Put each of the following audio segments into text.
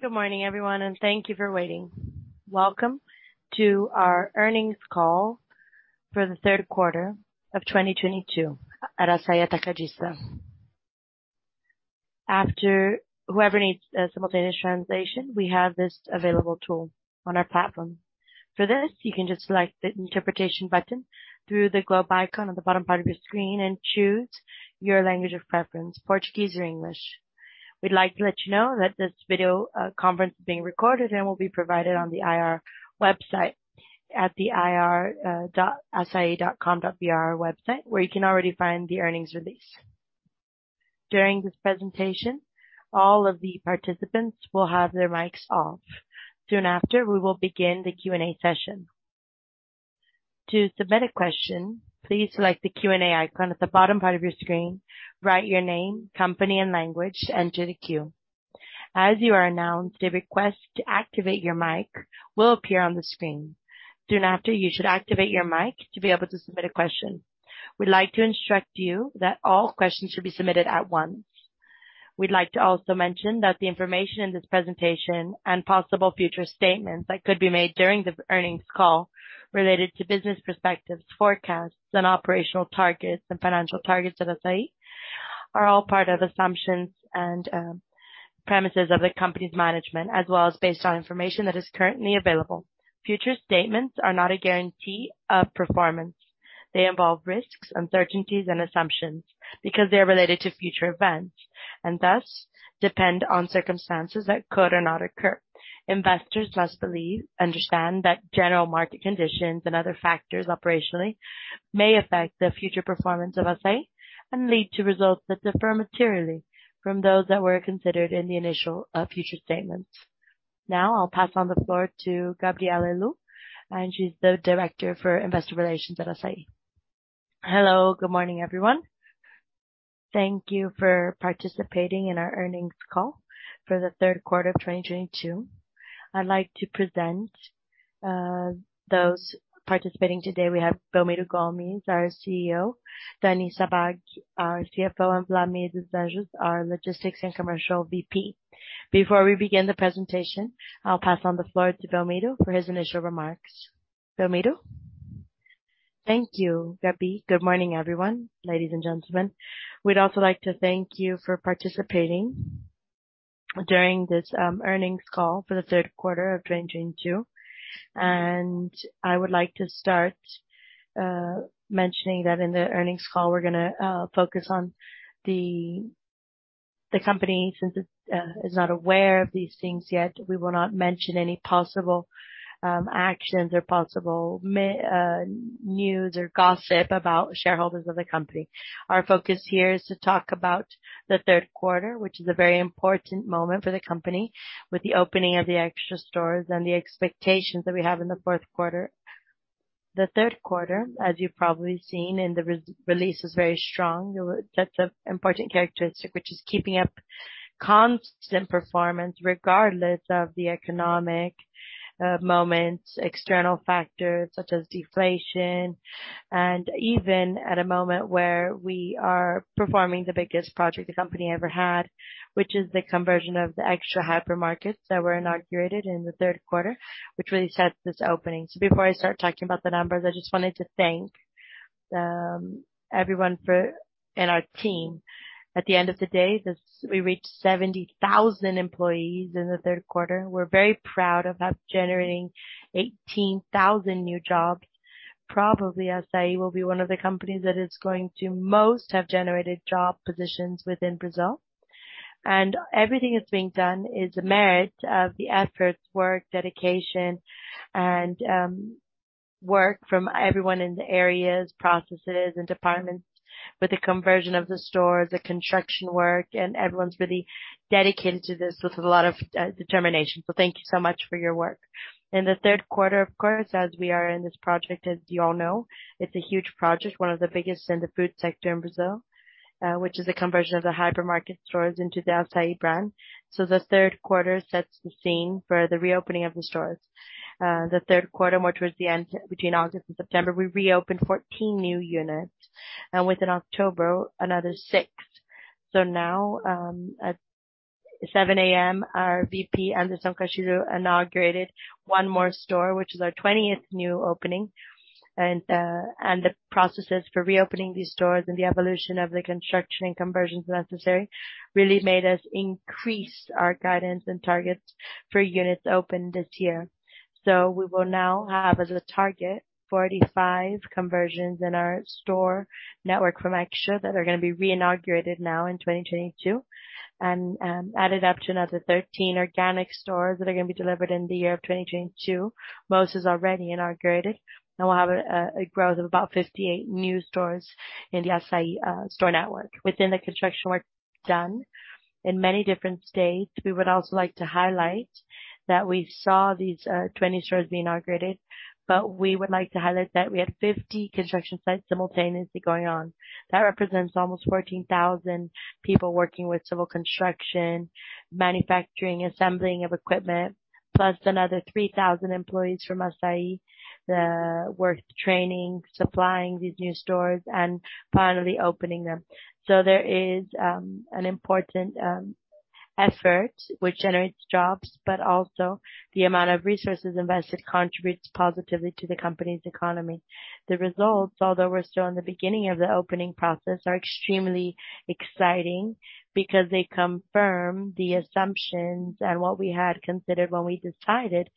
Good morning everyone, and thank you for waiting. Welcome to our earnings call for the third quarter of 2022 at Assaí Atacadista. Whoever needs simultaneous translation, we have this available tool on our platform. For this, you can just select the interpretation button through the globe icon on the bottom part of your screen and choose your language of preference, Portuguese or English. We'd like to let you know that this video conference is being recorded and will be provided on the IR website at the IR dot Assaí.com.br website, where you can already find the earnings release. During this presentation, all of the participants will have their mics off. Soon after, we will begin the Q&A session. To submit a question, please select the Q&A icon at the bottom part of your screen. Write your name, company, and language to enter the queue. As you are announced, a request to activate your mic will appear on the screen. Soon after, you should activate your mic to be able to submit a question. We'd like to instruct you that all questions should be submitted at once. We'd like to also mention that the information in this presentation and possible future statements that could be made during this earnings call related to business perspectives, forecasts and operational targets and financial targets of Assaí are all part of assumptions and premises of the company's management as well as based on information that is currently available. Future statements are not a guarantee of performance. They involve risks, uncertainties and assumptions because they are related to future events and thus depend on circumstances that could or not occur. Investors must understand that general market conditions and other factors operationally may affect the future performance of Assaí and lead to results that differ materially from those that were considered in the initial future statements. Now I'll pass the floor to Gabrielle Helú, and she's the Director for Investor Relations at Assaí. Hello, good morning, everyone. Thank you for participating in our earnings call for the third quarter of 2022. I'd like to present those participating today. We have Belmiro Gomes, our CEO, Daniela Sabbag Papa, our CFO, and Wlamir dos Anjos, our Logistics and Commercial VP. Before we begin the presentation, I'll pass the floor to Belmiro for his initial remarks. Belmiro? Thank you, Gabby. Good morning, everyone, ladies and gentlemen. We'd also like to thank you for participating during this earnings call for the third quarter of 2022. I would like to start mentioning that in the earnings call we're gonna focus on the company. Since it is not aware of these things yet, we will not mention any possible actions or possible news or gossip about shareholders of the company. Our focus here is to talk about the third quarter, which is a very important moment for the company with the opening of the Extra stores and the expectations that we have in the fourth quarter. The third quarter, as you've probably seen in the re-release, is very strong. That's an important characteristic which is keeping up constant performance regardless of the economic moments, external factors such as deflation and even at a moment where we are performing the biggest project the company ever had, which is the conversion of the Extra hypermarkets that were inaugurated in the third quarter, which really sets this opening. Before I start talking about the numbers, I just wanted to thank everyone and our team. At the end of the day, we reached 70,000 employees in the third quarter. We're very proud of us generating 18,000 new jobs. Probably Assaí will be one of the companies that is going to most have generated job positions within Brazil. Everything that's being done is a merit of the efforts, work, dedication and work from everyone in the areas, processes and departments with the conversion of the stores, the construction work, and everyone's really dedicated to this with a lot of determination. Thank you so much for your work. In the third quarter, of course, as we are in this project, as you all know, it's a huge project, one of the biggest in the food sector in Brazil, which is the conversion of the hypermarket stores into the Assaí brand. The third quarter sets the scene for the reopening of the stores. The third quarter, more towards the end between August and September, we reopened 14 new units and within October, another 6. Now, at 7:00 A.M., our VP Anderson Castilho inaugurated one more store, which is our 20th new opening. The processes for reopening these stores and the evolution of the construction and conversions necessary really made us increase our guidance and targets for units opened this year. We will now have as a target 45 conversions in our store network from Extra that are gonna be reinaugurated now in 2022 and added up to another 13 organic stores that are gonna be delivered in the year of 2022. Most is already inaugurated, and we'll have a growth of about 58 new stores in the Assaí store network. Within the construction work done in many different states, we would also like to highlight that we saw these 20 stores being inaugurated, but we would like to highlight that we have 50 construction sites simultaneously going on. That represents almost 14,000 people working with civil construction, manufacturing, assembling of equipment. Plus another 3,000 employees from Assaí, the workforce training, supplying these new stores, and finally opening them. There is an important effort which generates jobs, but also the amount of resources invested contributes positively to the country's economy. The results, although we're still in the beginning of the opening process, are extremely exciting because they confirm the assumptions and what we had considered when we decided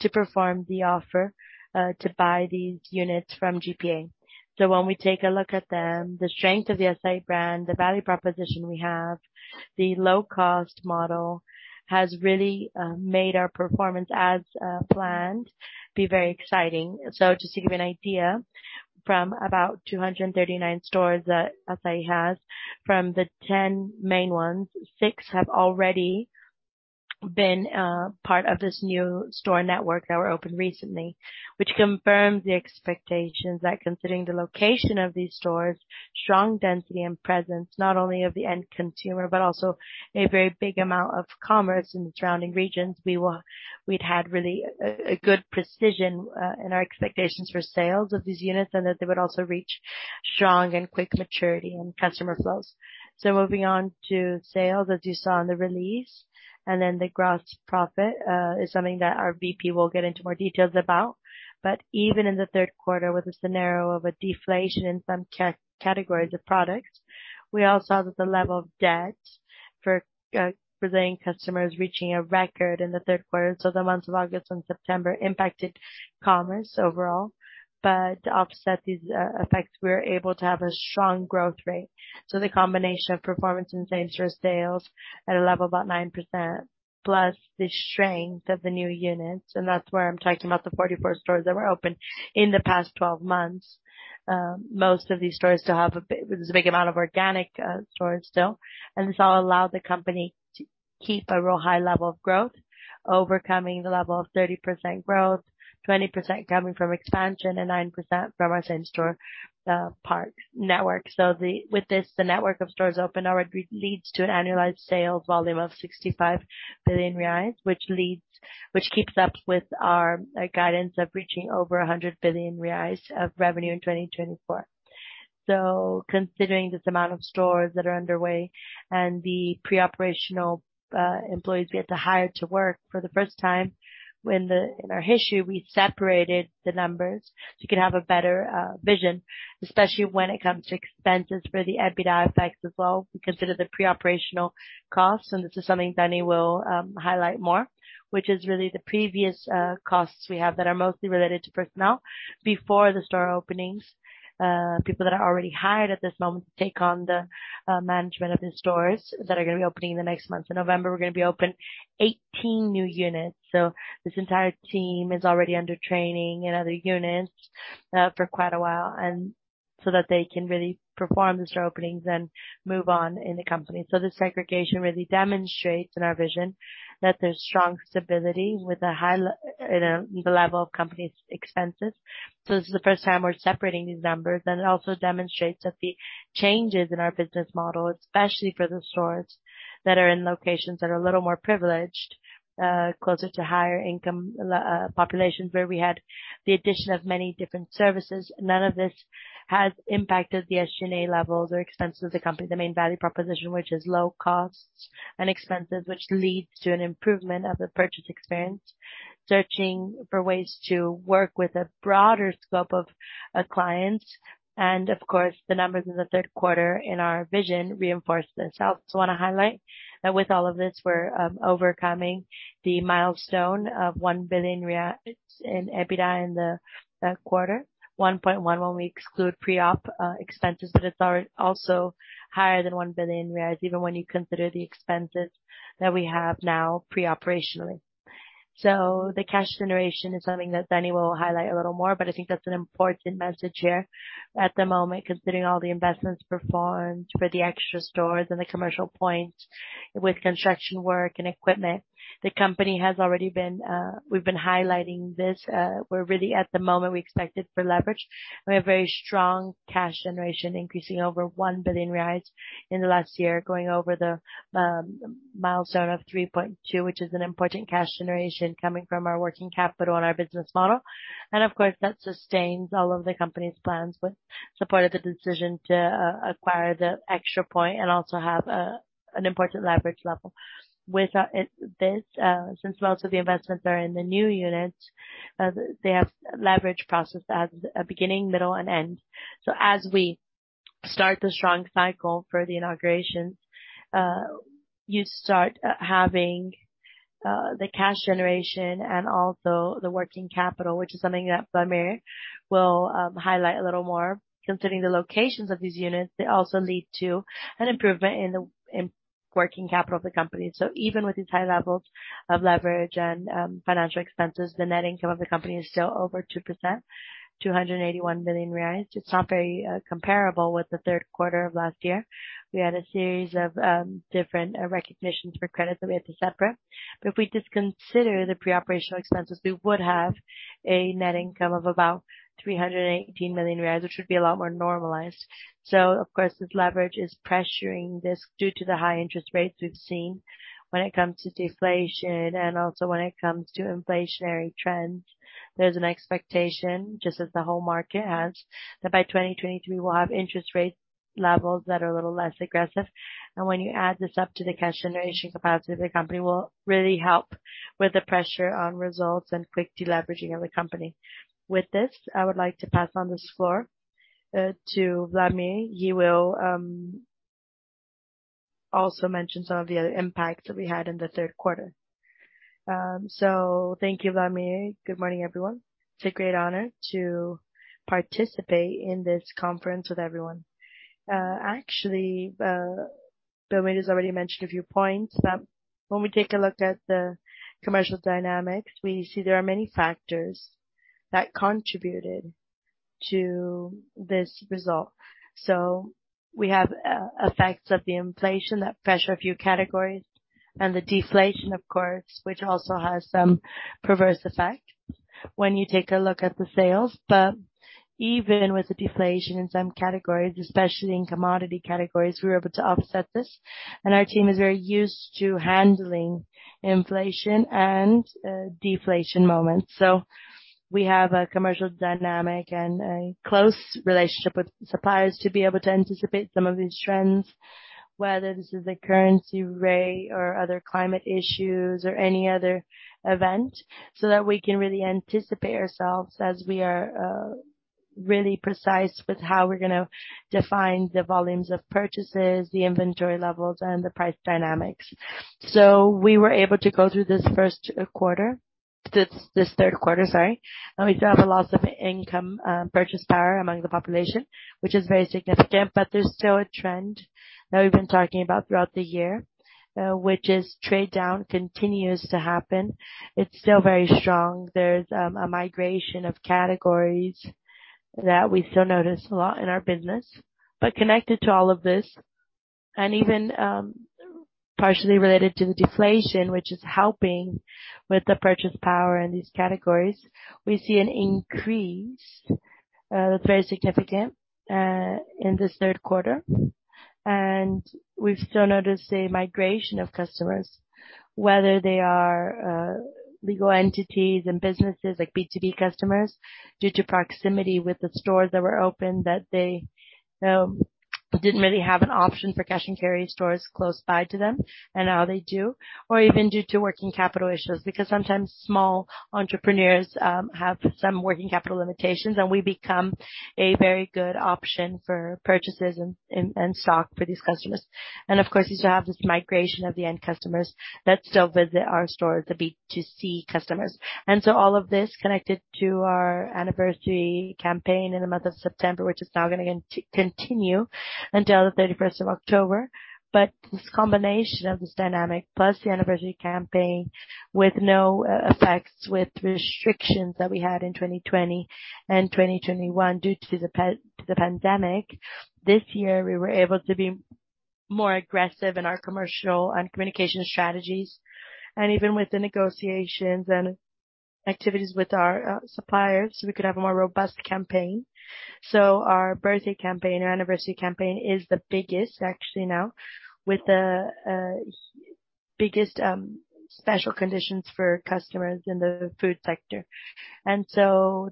to perform the offer to buy these units from GPA. When we take a look at them, the strength of the Assaí brand, the value proposition we have, the low-cost model has really made our performance as planned be very exciting. Just to give you an idea from about 239 stores that Assaí has from the 10 main ones, six have already been part of this new store network that were opened recently. Which confirms the expectations that considering the location of these stores, strong density and presence, not only of the end consumer but also a very big amount of commerce in the surrounding regions. We'd had really a good precision in our expectations for sales of these units, and that they would also reach strong and quick maturity in customer flows. Moving on to sales, as you saw in the release, and then the gross profit is something that our VP will get into more details about. Even in the third quarter, with a scenario of a deflation in some categories of products, we all saw that the level of debt for Brazilian customers reaching a record in the third quarter. The months of August and September impacted commerce overall. To offset these effects, we were able to have a strong growth rate. The combination of performance and same-store sales at a level of about 9%, plus the strength of the new units, and that's where I'm talking about the 44 stores that were opened in the past 12 months. Most of these stores still have a big amount of organic stores still. This all allowed the company to keep a real high level of growth, overcoming the level of 30% growth, 20% coming from expansion and 9% from our same store park network. With this, the network of stores open already leads to an annualized sales volume of 65 billion reais. Which keeps up with our guidance of reaching over 100 billion reais of revenue in 2024. Considering this amount of stores that are underway and the pre-operational employees we had to hire to work for the first time, in our history, we separated the numbers, so you can have a better vision, especially when it comes to expenses for the EBITDA effects as well. We consider the pre-operational costs, and this is something Danny will highlight more, which is really the pre-opening costs we have that are mostly related to personnel before the store openings. People that are already hired at this moment to take on the management of the stores that are gonna be opening in the next months. In November, we're gonna be opening 18 new units. This entire team is already under training in other units for quite a while, and so that they can really perform the store openings and move on in the company. This segregation really demonstrates in our vision that there's strong stability with a high, you know, level of the company's expenses. This is the first time we're separating these numbers. It also demonstrates that the changes in our business model, especially for the stores that are in locations that are a little more privileged, closer to higher income populations where we had the addition of many different services. None of this has impacted the SG&A levels or expenses of the company. The main value proposition, which is low costs and expenses, which leads to an improvement of the purchase experience, searching for ways to work with a broader scope of clients. Of course, the numbers in the third quarter in our vision reinforce this. I also wanna highlight that with all of this we're overcoming the milestone of 1 billion in EBITDA in the quarter, 1.1 when we exclude pre-op expenses. It's also higher than 1 billion, even when you consider the expenses that we have now pre-operationally. The cash generation is something that Danny will highlight a little more, but I think that's an important message here at the moment, considering all the investments performed for the Extra stores and the commercial points with construction work and equipment. We've been highlighting this. We're really at the moment we expected for leverage. We have very strong cash generation increasing over 1 billion reais in the last year, going over the milestone of 3.2, which is an important cash generation coming from our working capital and our business model. Of course, that sustains all of the company's plans, which supported the decision to acquire the Extra point and also have an important leverage level. This, since most of the investments are in the new units, they have leverage process as a beginning, middle, and end. As we start the strong cycle for the inaugurations, you start having the cash generation and also the working capital, which is something that Wlamir will highlight a little more. Considering the locations of these units, they also lead to an improvement in the working capital of the company. Even with these high levels of leverage and financial expenses, the net income of the company is still over 2%, 281 million reais. It's not very comparable with the third quarter of last year. We had a series of different recognitions for credit that we had to separate. If we just consider the pre-operational expenses, we would have a net income of about 318 million reais, which would be a lot more normalized. Of course, this leverage is pressuring this due to the high interest rates we've seen when it comes to deflation and also when it comes to inflationary trends. There's an expectation, just as the whole market has, that by 2023 we'll have interest rates levels that are little less aggressive. When you add this up to the cash generation capacity of the company, will really help with the pressure on results and quick deleveraging of the company. With this, I would like to pass the floor to Wlamir. He will also mention some of the other impacts that we had in the third quarter. Thank you, Wlamir. Good morning, everyone. It's a great honor to participate in this conference with everyone. Actually, Wlamir has already mentioned a few points that when we take a look at the commercial dynamics, we see there are many factors that contributed to this result. We have effects of the inflation that pressure a few categories, and the deflation, of course, which also has some perverse effects when you take a look at the sales. Even with the deflation in some categories, especially in commodity categories, we were able to offset this. Our team is very used to handling inflation and deflation moments. We have a commercial dynamic and a close relationship with suppliers to be able to anticipate some of these trends, whether this is a currency array or other climate issues or any other event, so that we can really anticipate ourselves as we are, really precise with how we're gonna define the volumes of purchases, the inventory levels and the price dynamics. We were able to go through this third quarter, sorry. We do have a loss of purchasing power among the population, which is very significant. There's still a trend that we've been talking about throughout the year, which is trade down continues to happen. It's still very strong. There's a migration of categories that we still notice a lot in our business, but connected to all of this and even partially related to the deflation, which is helping with the purchasing power in these categories. We see an increase that's very significant in this third quarter. We've still noticed a migration of customers, whether they are legal entities and businesses like B2B customers, due to proximity with the stores that were open, that they didn't really have an option for cash and carry stores close by to them. And now they do. Or even due to working capital issues, because sometimes small entrepreneurs have some working capital limitations, and we become a very good option for purchases and stock for these customers. Of course, you still have this migration of the end customers that still visit our store, the B2C customers. All of this connected to our anniversary campaign in the month of September, which is now gonna continue until the thirty-first of October. This combination of this dynamic, plus the anniversary campaign with no effects, with restrictions that we had in 2020 and 2021 due to the pandemic, this year we were able to be more aggressive in our commercial and communication strategies. Even with the negotiations and activities with our suppliers, we could have a more robust campaign. Our birthday campaign or anniversary campaign is the biggest actually now with the biggest special conditions for customers in the food sector.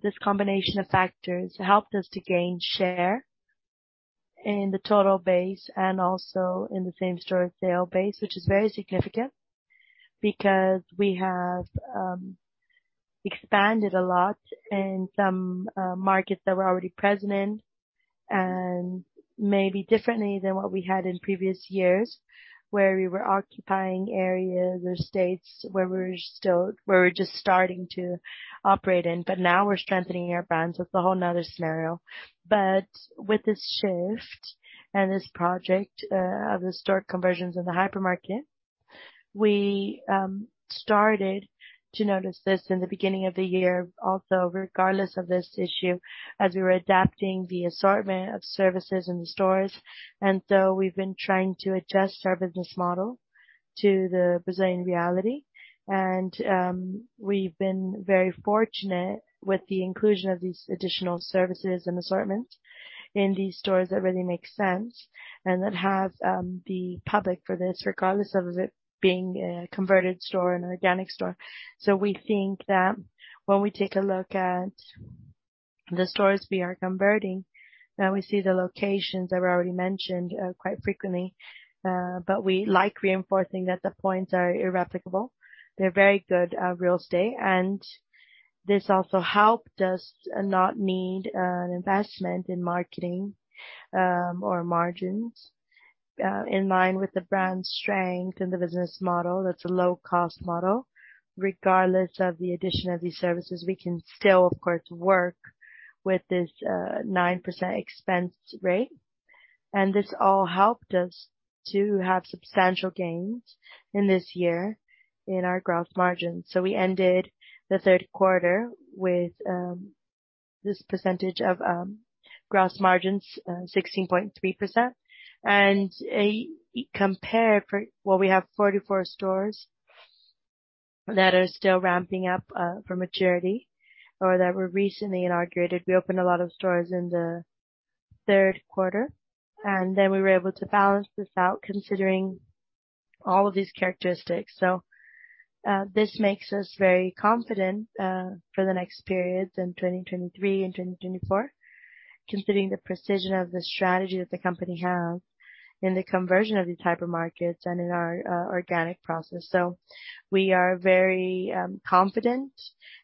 This combination of factors helped us to gain share in the total base and also in the same store sale base, which is very significant because we have expanded a lot in some markets that we're already present in and maybe differently than what we had in previous years, where we were occupying areas or states where we're just starting to operate in. Now we're strengthening our brands. That's a whole nother scenario. With this shift and this project of the store conversions in the hypermarket, we started to notice this in the beginning of the year. Also, regardless of this issue, as we were adapting the assortment of services in the stores, and so we've been trying to adjust our business model to the Brazilian reality. We've been very fortunate with the inclusion of these additional services and assortments in these stores that really make sense and that have the public for this, regardless of it being a converted store, an organic store. We think that when we take a look at the stores we are converting and we see the locations that were already mentioned quite frequently, but we like reinforcing that the points are irreplicable. They're very good real estate. This also helped us not need investment in marketing or margins in line with the brand strength and the business model. That's a low cost model. Regardless of the addition of these services, we can still, of course, work with this 9% expense rate. This all helped us to have substantial gains in this year in our gross margins. We ended the third quarter with this percentage of gross margins, 16.3%. Well, we have 44 stores that are still ramping up for maturity or that were recently inaugurated. We opened a lot of stores in the third quarter, and then we were able to balance this out considering all of these characteristics. This makes us very confident for the next periods in 2023 and 2024, considering the precision of the strategy that the company have in the conversion of these hypermarkets and in our organic process. We are very confident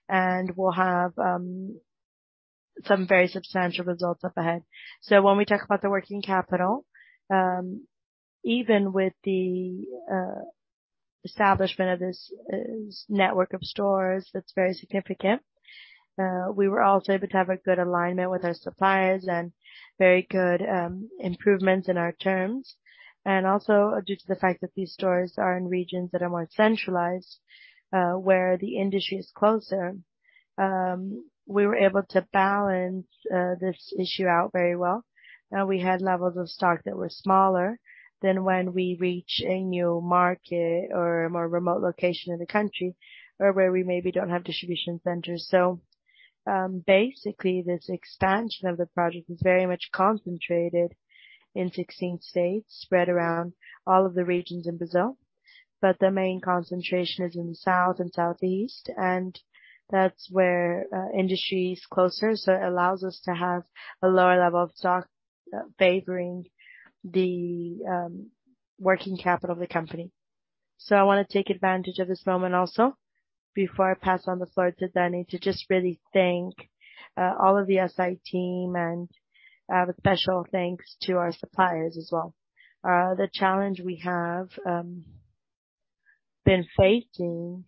and we'll have some very substantial results up ahead. When we talk about the working capital, even with the establishment of this network of stores that's very significant. We were also able to have a good alignment with our suppliers and very good improvements in our terms. Also due to the fact that these stores are in regions that are more centralized, where the industry is closer. We were able to balance this issue out very well. We had levels of stock that were smaller than when we reach a new market or a more remote location in the country or where we maybe don't have distribution centers. Basically, this expansion of the project is very much concentrated in 16 states spread around all of the regions in Brazil, but the main concentration is in the south and southeast, and that's where industry is closer, so it allows us to have a lower level of stock, favoring the working capital of the company. I wanna take advantage of this moment also, before I pass the floor to Danny, to just really thank all of the IR team and the special thanks to our suppliers as well. The challenge we have been facing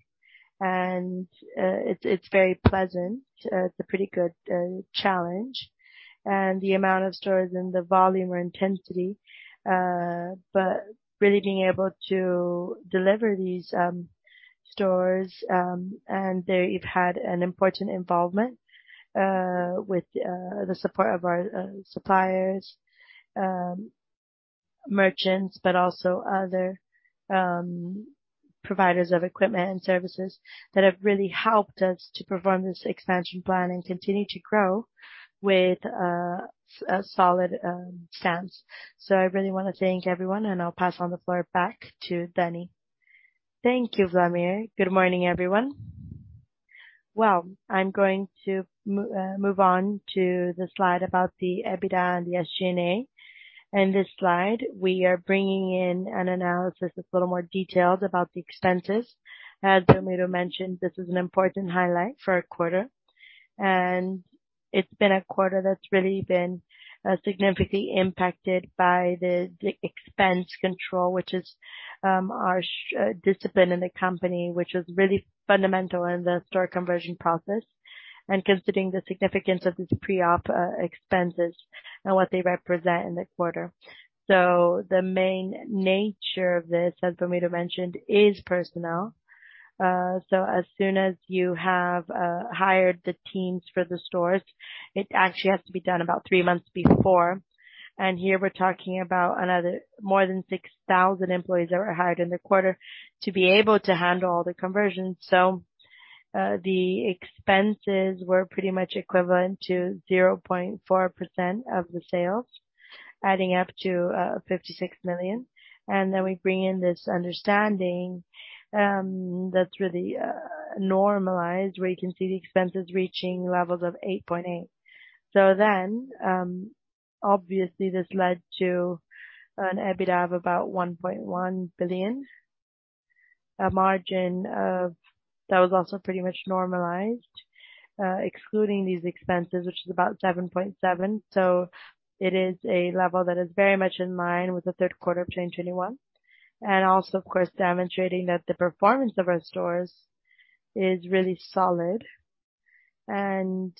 and it's very pleasant. It's a pretty good challenge. The amount of stores and the volume or intensity, but really being able to deliver these stores, and they've had an important involvement with the support of our suppliers, merchants, but also other providers of equipment and services that have really helped us to perform this expansion plan and continue to grow with a solid stance. I really wanna thank everyone, and I'll pass the floor back to Danny. Thank you, Wlamir. Good morning, everyone. Well, I'm going to move on to the slide about the EBITDA and the SG&A. In this slide, we are bringing in an analysis with a little more details about the expenses. As Belmiro mentioned, this is an important highlight for our quarter. It's been a quarter that's really been significantly impacted by the expense control, which is our discipline in the company, which is really fundamental in the store conversion process, and considering the significance of these pre-op expenses and what they represent in the quarter. The main nature of this, as Belmiro mentioned, is personnel. As soon as you have hired the teams for the stores, it actually has to be done about three months before. Here we're talking about another more than 6,000 employees that were hired in the quarter to be able to handle all the conversions. The expenses were pretty much equivalent to 0.4% of the sales, adding up to 56 million. We bring in this understanding that's really normalized, where you can see the expenses reaching levels of 8.8%. Obviously, this led to an EBITDA of about 1.1 billion. A margin that was also pretty much normalized excluding these expenses, which is about 7.7%. It is a level that is very much in line with the third quarter of 2021. Also, of course, demonstrating that the performance of our stores is really solid. In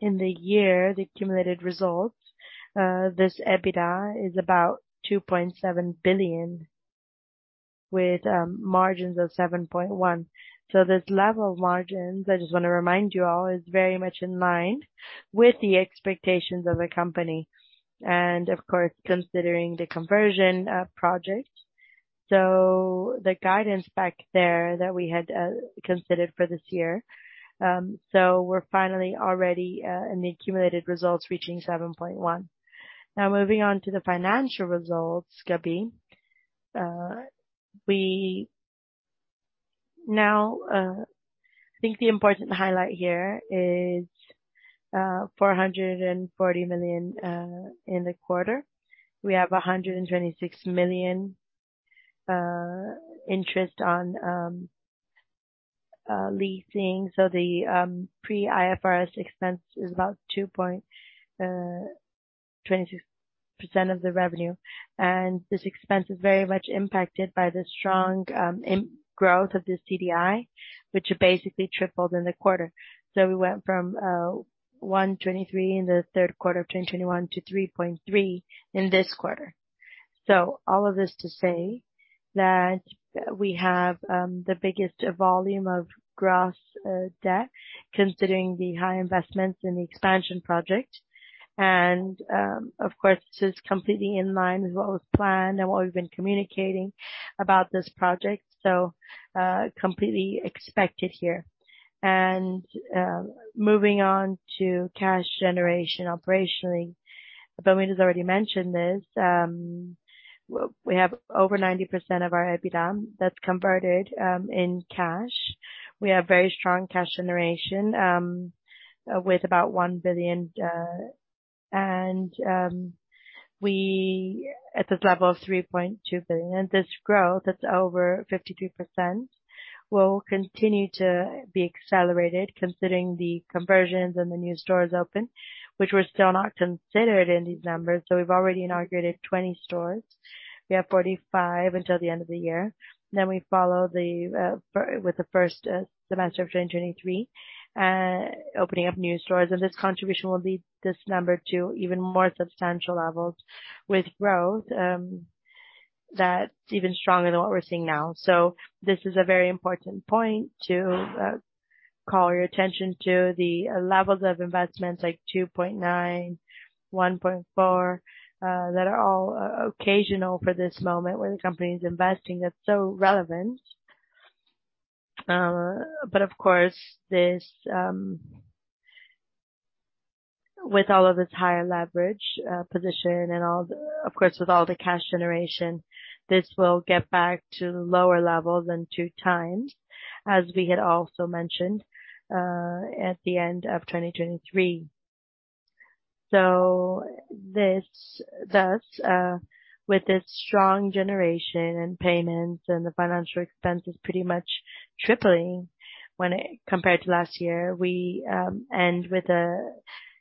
the year, the accumulated results, this EBITDA is about 2.7 billion with margins of 7.1%. This level of margins, I just wanna remind you all, is very much in line with the expectations of the company, and of course, considering the conversion project. The guidance back there that we had considered for this year. We're finally already in the accumulated results reaching 7.1%. Now moving on to the financial results, Gabi. We now I think the important highlight here is 440 million in the quarter. We have 126 million interest on leasing. The pre-IFRS expense is about 2.26% of the revenue. This expense is very much impacted by the strong growth of the CDI, which basically tripled in the quarter. We went from 1.23 in the third quarter of 2021 to 3.3 in this quarter. All of this to say that we have the biggest volume of gross debt considering the high investments in the expansion project. Of course, this is completely in line with what was planned and what we've been communicating about this project. Completely expected here. Moving on to cash generation operationally. We just already mentioned this. We have over 90% of our EBITDA that's converted in cash. We have very strong cash generation with about 1 billion and we... At this level of 3.2 billion, this growth that's over 52% will continue to be accelerated considering the conversions and the new stores open, which were still not considered in these numbers. We've already inaugurated 20 stores. We have 45 until the end of the year. We follow with the first semester of 2023, opening up new stores. This contribution will lead this number to even more substantial levels with growth that's even stronger than what we're seeing now. This is a very important point to call your attention to the levels of investments like 2.9 billion, 1.4 billion, that are all occasional for this moment where the company is investing, that's so relevant. Of course, with all the cash generation, this will get back to lower levels than 2x, as we had also mentioned, at the end of 2023. With this strong generation and payments and the financial expense is pretty much tripling when compared to last year. We end with a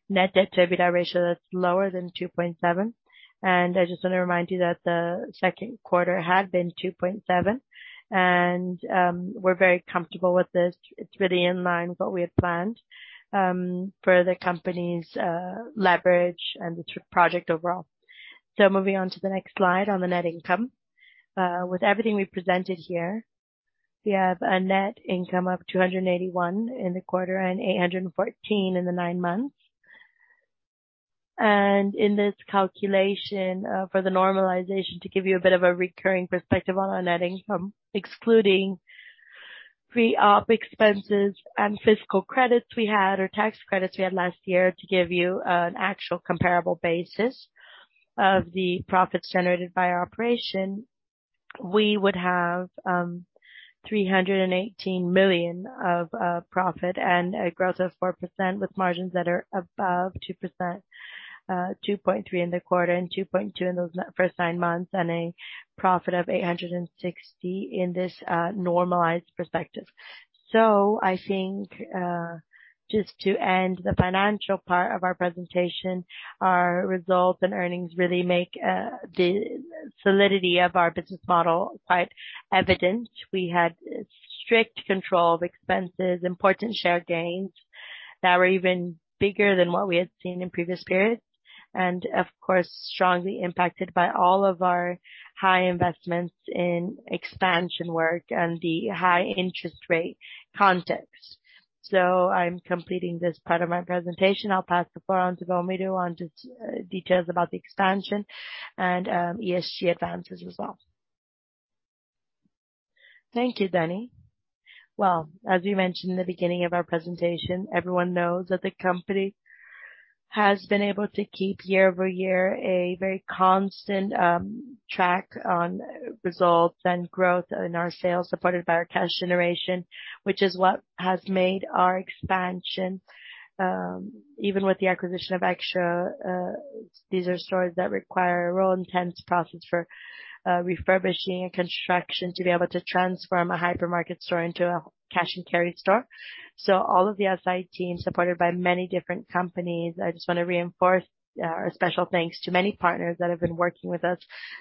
net debt-to-EBITDA ratio that's lower than 2.7. I just wanna remind you that the second quarter had been 2.7. We're very comfortable with this. It's really in line with what we had planned for the company's leverage and the project overall. Moving on to the next slide on the net income. With everything we presented here, we have a net income of 281 million in the quarter and 814 million in the nine months. In this calculation, for the normalization, to give you a bit of a recurring perspective on our net income, excluding pre-op expenses and fiscal credits we had or tax credits we had last year to give you an actual comparable basis of the profits generated by our operation, we would have, 318 million of profit and a growth of 4% with margins that are above 2%, 2.3% in the quarter and 2.2% in the first nine months and a profit of 860 million in this normalized perspective. I think, just to end the financial part of our presentation, our results and earnings really make the solidity of our business model quite evident. We had strict control of expenses, important share gains that were even bigger than what we had seen in previous periods, and of course, strongly impacted by all of our high investments in expansion work and the high interest rate context. I'm completing this part of my presentation. I'll pass the floor on to Belmiro Gomes to go on to details about the expansion and ESG advances as well. Thank you, Daniela Papa. Well, as we mentioned in the beginning of our presentation, everyone knows that the company has been able to keep year-over-year a very constant track on results and growth in our sales, supported by our cash generation, which is what has made our expansion. Even with the acquisition of Extra, these are stores that require a real intense process for refurbishing and construction to be able to transform a hypermarket store into a cash and carry store. All of the SI team, supported by many different companies, I just wanna reinforce a special thanks to many partners that have been working with us,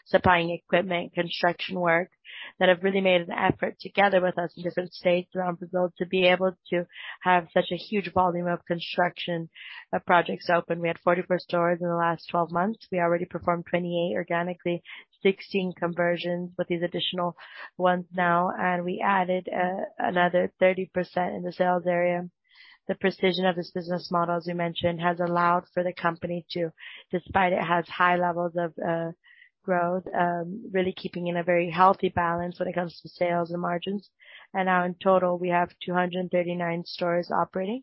supplying equipment, construction work that have really made an effort together with us in different states around Brazil to be able to have such a huge volume of construction projects open. We had 44 stores in the last 12 months. We already performed 28 organically, 16 conversions with these additional ones now, and we added another 30% in the sales area. The precision of this business model, as we mentioned, has allowed for the company to, despite it has high levels of growth, really keeping in a very healthy balance when it comes to sales and margins. Now in total, we have 239 stores operating.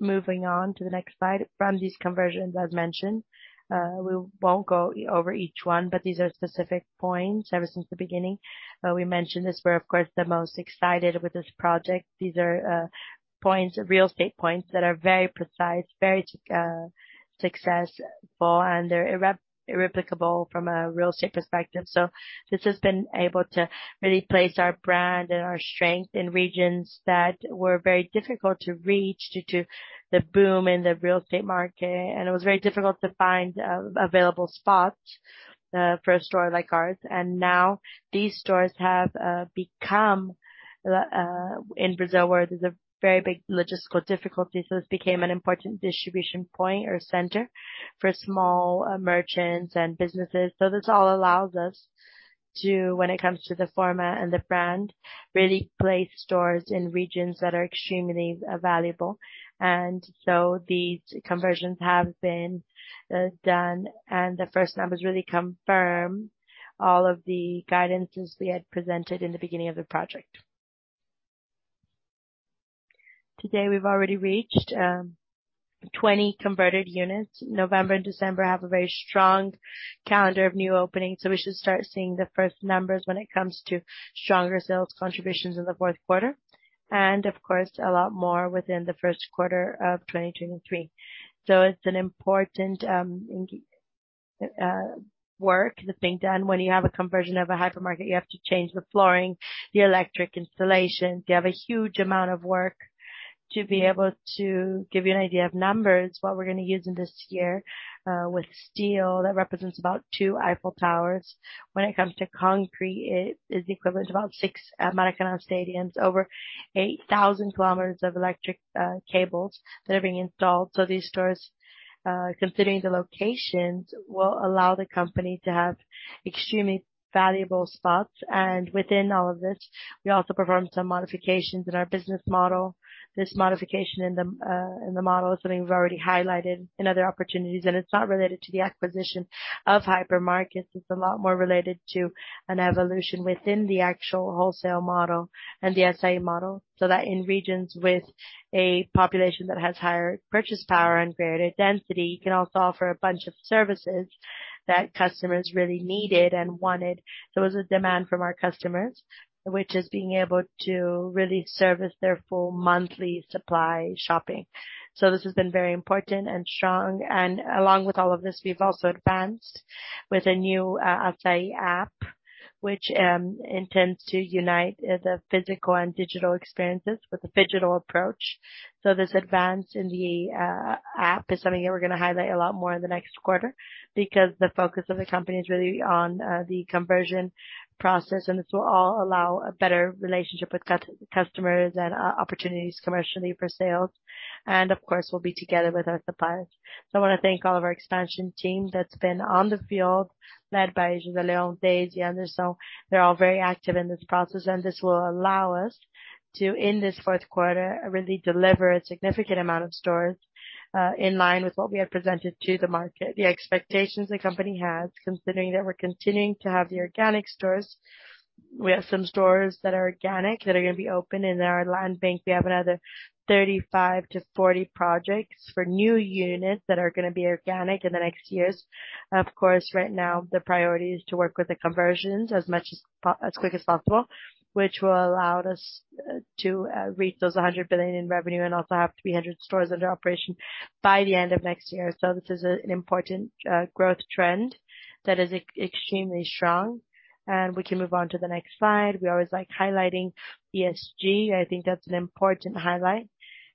Moving on to the next slide. From these conversions I've mentioned, we won't go over each one, but these are specific points ever since the beginning. We mentioned this. We're of course the most excited with this project. These are points, real estate points that are very precise, very successful, and they're irreplicable from a real estate perspective. This has been able to really place our brand and our strength in regions that were very difficult to reach due to the boom in the real estate market. It was very difficult to find available spots for a store like ours. Now these stores have become in Brazil, where there's a very big logistical difficulty. This became an important distribution point or center for small merchants and businesses. This all allows us to, when it comes to the format and the brand, really place stores in regions that are extremely valuable. These conversions have been done, and the first numbers really confirm all of the guidances we had presented in the beginning of the project. Today we've already reached 20 converted units. November and December have a very strong calendar of new openings, so we should start seeing the first numbers when it comes to stronger sales contributions in the fourth quarter. Of course, a lot more within the first quarter of 2023. It's an important work that's being done. When you have a conversion of a hypermarket, you have to change the flooring, the electric installation. You have a huge amount of work. To be able to give you an idea of numbers, what we're gonna use in this year with steel, that represents about 2 Eiffel Towers. When it comes to concrete, it is equivalent to about 6 Maracanã stadiums. Over 8,000 kilometers of electric cables that are being installed. These stores, considering the locations, will allow the company to have extremely valuable spots. Within all of this, we also performed some modifications in our business model. This modification in the model is something we've already highlighted in other opportunities, and it's not related to the acquisition of hypermarkets. It's a lot more related to an evolution within the actual wholesale model and the Assaí model, so that in regions with a population that has higher purchase power and greater density, you can also offer a bunch of services that customers really needed and wanted. There was a demand from our customers, which is being able to really service their full monthly supply shopping. This has been very important and strong. Along with all of this, we've also advanced with a new Assaí app, which intends to unite the physical and digital experiences with a phygital approach. This advance in the app is something that we're gonna highlight a lot more in the next quarter because the focus of the company is really on the conversion process, and this will all allow a better relationship with customers and opportunities commercially for sales. Of course, we'll be together with our suppliers. I wanna thank all of our expansion team that's been on the field, led by José León, Dave, Jan, and so they're all very active in this process. This will allow us to, in this fourth quarter, really deliver a significant amount of stores in line with what we have presented to the market. The expectations the company has, considering that we're continuing to have the organic stores. We have some stores that are organic that are gonna be open. In our land bank, we have another 35-40 projects for new units that are gonna be organic in the next years. Of course, right now the priority is to work with the conversions as much as as quick as possible, which will allow us to reach those 100 billion in revenue and also have 300 stores under operation by the end of next year. This is an important growth trend that is extremely strong. We can move on to the next slide. We always like highlighting ESG. I think that's an important highlight.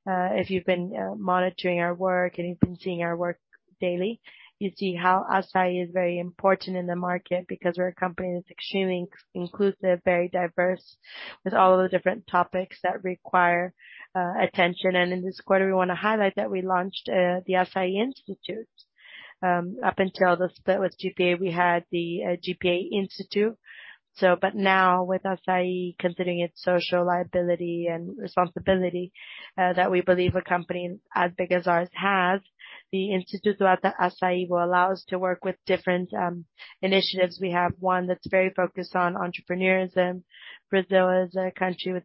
If you've been monitoring our work and you've been seeing our work daily, you see how Assaí is very important in the market because we're a company that's extremely inclusive, very diverse, with all of the different topics that require attention. In this quarter, we wanna highlight that we launched the Assaí Institute. Up until the split with GPA, we had the GPA Institute, but now with Assaí, considering its social liability and responsibility that we believe a company as big as ours has, the institute throughout the Assaí will allow us to work with different initiatives. We have one that's very focused on entrepreneurs, and Brazil is a country with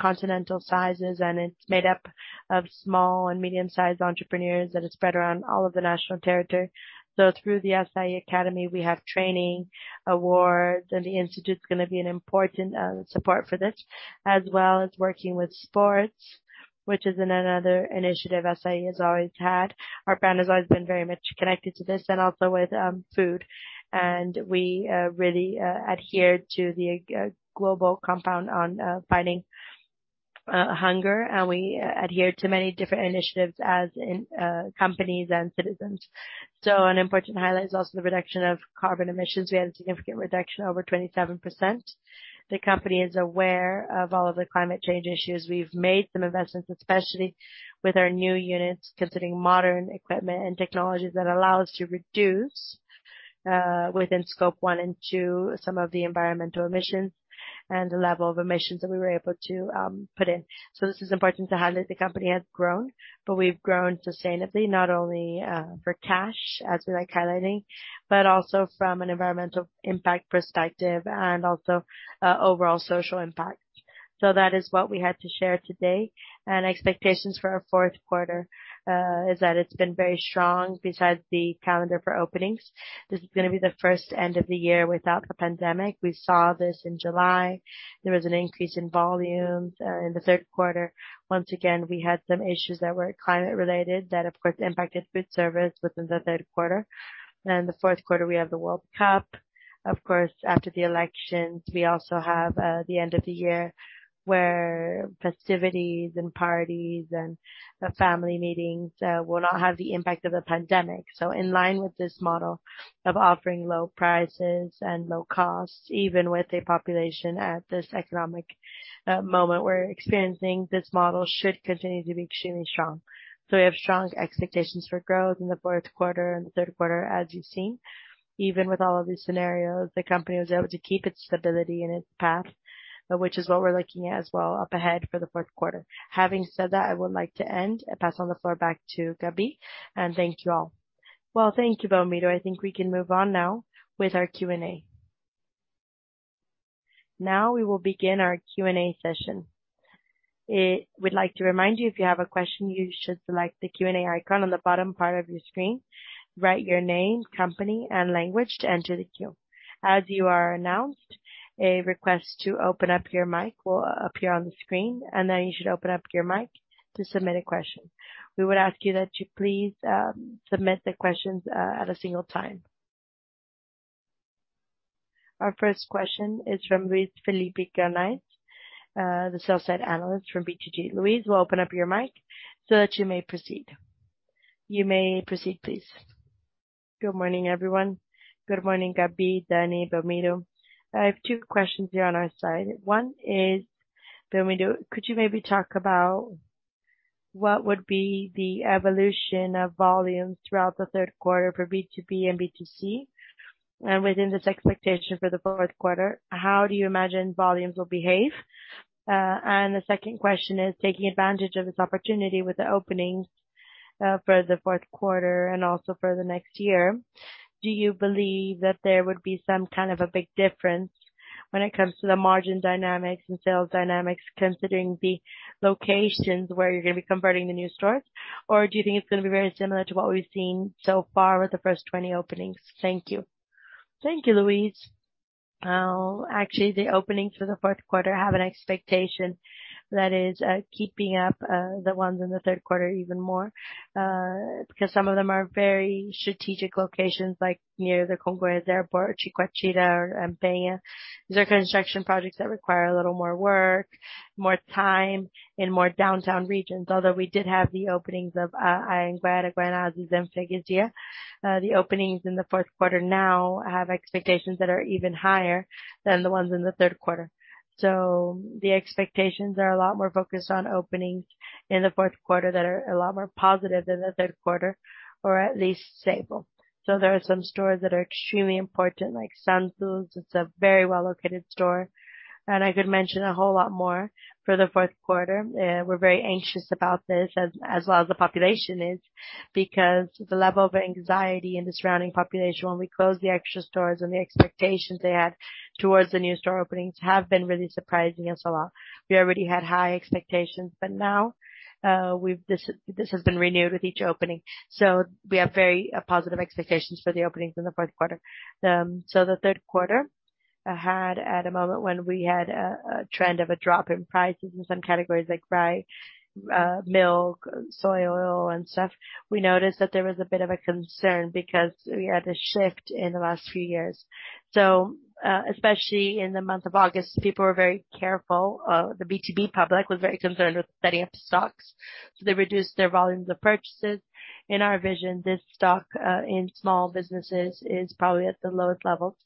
continental sizes, and it's made up of small and medium-sized entrepreneurs that are spread around all of the national territory. Through the Assaí Academy, we have training awards, and the institute's gonna be an important support for this, as well as working with sports, which is another initiative Assaí has always had. Our brand has always been very much connected to this and also with food. We really adhere to the Global Compact on fighting hunger, and we adhere to many different initiatives as companies and citizens. An important highlight is also the reduction of carbon emissions. We had a significant reduction, over 27%. The company is aware of all of the climate change issues. We've made some investments, especially with our new units, considering modern equipment and technologies that allow us to reduce within Scope 1 and Scope 2 some of the environmental emissions and the level of emissions that we were able to put out. This is important to highlight. The company has grown, but we've grown sustainably, not only for cash, as we like highlighting, but also from an environmental impact perspective and also overall social impact. That is what we had to share today. Expectations for our fourth quarter is that it's been very strong based on the calendar for openings. This is gonna be the first end of the year without the pandemic. We saw this in July. There was an increase in volumes in the third quarter. Once again, we had some issues that were climate related that, of course, impacted food service within the third quarter. The fourth quarter, we have the World Cup. Of course, after the elections, we also have the end of the year, where festivities and parties and family meetings will not have the impact of the pandemic. In line with this model of offering low prices and low costs, even with a population at this economic moment we're experiencing, this model should continue to be extremely strong. We have strong expectations for growth in the fourth quarter and the third quarter, as you've seen. Even with all of these scenarios, the company was able to keep its stability and its path, which is what we're looking at as well up ahead for the fourth quarter. Having said that, I would like to end and pass on the floor back to Gabi. Thank you all. Well, thank you, Belmiro. I think we can move on now with our Q&A. Now we will begin our Q&A session. We'd like to remind you if you have a question, you should select the Q&A icon on the bottom part of your screen. Write your name, company, and language to enter the queue. As you are announced, a request to open up your mic will appear on the screen, and then you should open up your mic to submit a question. We would ask you that you please submit the questions at a single time. Our first question is from Luiz Felipe Guanais, the sell-side analyst from BTG. Luiz, we'll open up your mic so that you may proceed. You may proceed, please. Good morning, everyone. Good morning, Gabi, Dani, Belmiro. I have two questions here on our side. One is, Belmiro, could you maybe talk about what would be the evolution of volumes throughout the third quarter for B2B and B2C? Within this expectation for the fourth quarter, how do you imagine volumes will behave? The second question is taking advantage of this opportunity with the openings for the fourth quarter and also for the next year. Do you believe that there would be some kind of a big difference when it comes to the margin dynamics and sales dynamics, considering the locations where you're gonna be converting the new stores? Or do you think it's gonna be very similar to what we've seen so far with the first 20 openings? Thank you. Thank you, Luis. Actually, the openings for the fourth quarter have an expectation that is keeping up the ones in the third quarter even more, because some of them are very strategic locations, like near the Congonhas Airport or Chico Arqueiro or Penha. These are construction projects that require a little more work, more time in more downtown regions. Although we did have the openings of Anhanguera, Granada, and Figueiras. The openings in the fourth quarter now have expectations that are even higher than the ones in the third quarter. The expectations are a lot more focused on openings in the fourth quarter that are a lot more positive than the third quarter, or at least stable. There are some stores that are extremely important, like Sans Soucy. It's a very well-located store. I could mention a whole lot more for the fourth quarter. We're very anxious about this as well as the population is, because the level of anxiety in the surrounding population when we close the Extra stores and the expectations they had towards the new store openings have been really surprising us a lot. We already had high expectations, but now this has been renewed with each opening. We have very positive expectations for the openings in the fourth quarter. The third quarter had a moment when we had a trend of a drop in prices in some categories like rye, milk, soy oil and stuff. We noticed that there was a bit of a concern because we had a shift in the last few years. Especially in the month of August, people were very careful. The B2B public was very concerned with setting up stocks, so they reduced their volumes of purchases. In our vision, this stock in small businesses is probably at the lowest levels.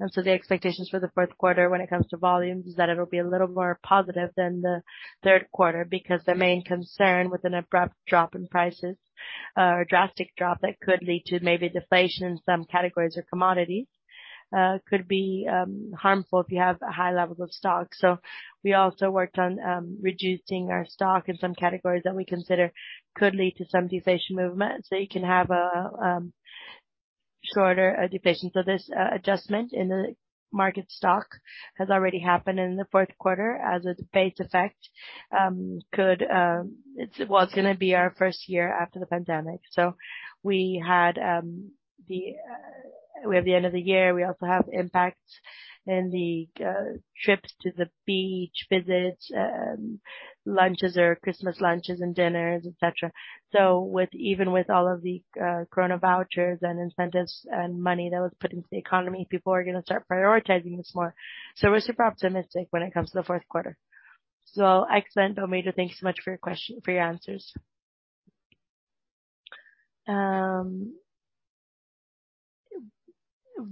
Expectations for the fourth quarter when it comes to volumes is that it'll be a little more positive than the third quarter, because the main concern with an abrupt drop in prices or a drastic drop that could lead to maybe deflation in some categories or commodities could be harmful if you have high levels of stock. We also worked on reducing our stock in some categories that we consider could lead to some deflation movement. You can have a shorter deflation. This adjustment in the market stock has already happened in the fourth quarter as its base effect. It's gonna be our first year after the pandemic. We have the end of the year. We also have impacts in the trips to the beach visits, lunches or Christmas lunches and dinners, et cetera. Even with all of the corona vouchers and incentives and money that was put into the economy, people are gonna start prioritizing this more. We're super optimistic when it comes to the fourth quarter. Excellent, Belmiro. Thank you so much for your answers.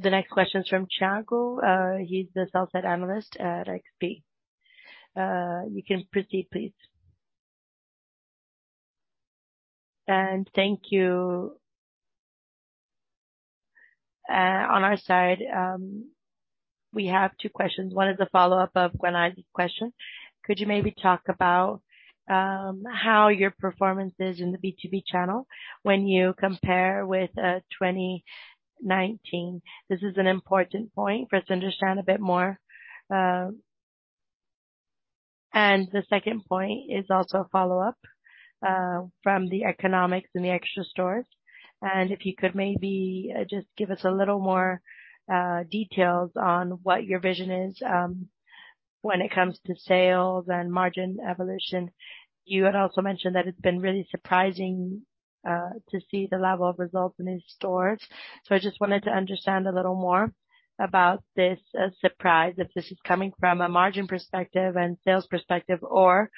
The next question is from Thiago. He's the sell-side analyst at XP. You can proceed, please. Thank you. On our side, we have two questions. One is a follow-up of Guanais' question. Could you maybe talk about how your performance is in the B2B channel when you compare with 2019? This is an important point for us to understand a bit more. The second point is also a follow-up from the economics in the Extra stores. If you could maybe just give us a little more details on what your vision is when it comes to sales and margin evolution. You had also mentioned that it's been really surprising to see the level of results in these stores. I just wanted to understand a little more about this surprise, if this is coming from a margin perspective and sales perspective or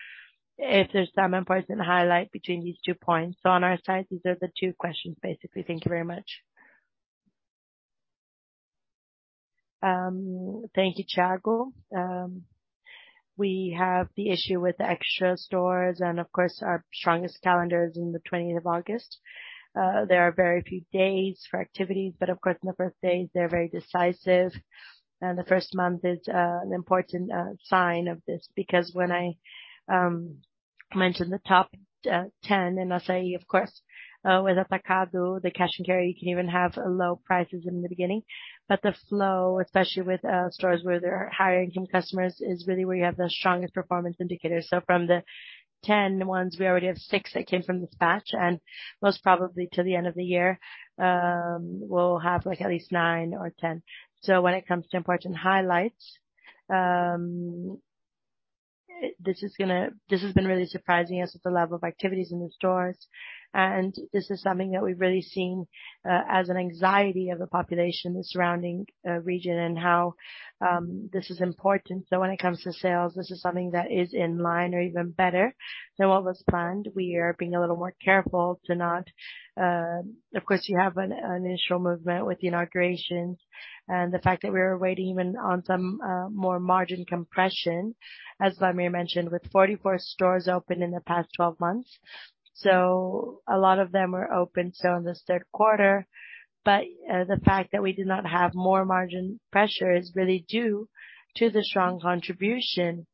if there's some important highlight between these two points. On our side, these are the two questions basically. Thank you very much. Thank you, Thiago. We have the issue with the Extra stores and of course our strongest calendar is in the twentieth of August. There are very few days for activities, but of course, in the first days they're very decisive and the first month is an important sign of this because when I mentioned the top 10 in Assaí, of course, with Atacadão, the cash and carry, you can even have low prices in the beginning. The flow, especially with stores where there are higher income customers, is really where you have the strongest performance indicators. From the 10 ones, we already have 6 that came from this batch, and most probably to the end of the year, we'll have like at least 9 or 10. When it comes to important highlights, this has been really surprising us with the level of activities in the stores. This is something that we've really seen as an anxiety of the population, the surrounding region and how this is important. When it comes to sales, this is something that is in line or even better than what was planned. We are being a little more careful to not. Of course, you have an initial movement with the inaugurations and the fact that we are waiting even on some more margin compression, as Belmiro mentioned, with 44 stores open in the past 12 months. A lot of them are open, so in this third quarter. The fact that we do not have more margin pressure is really due to the strong contribution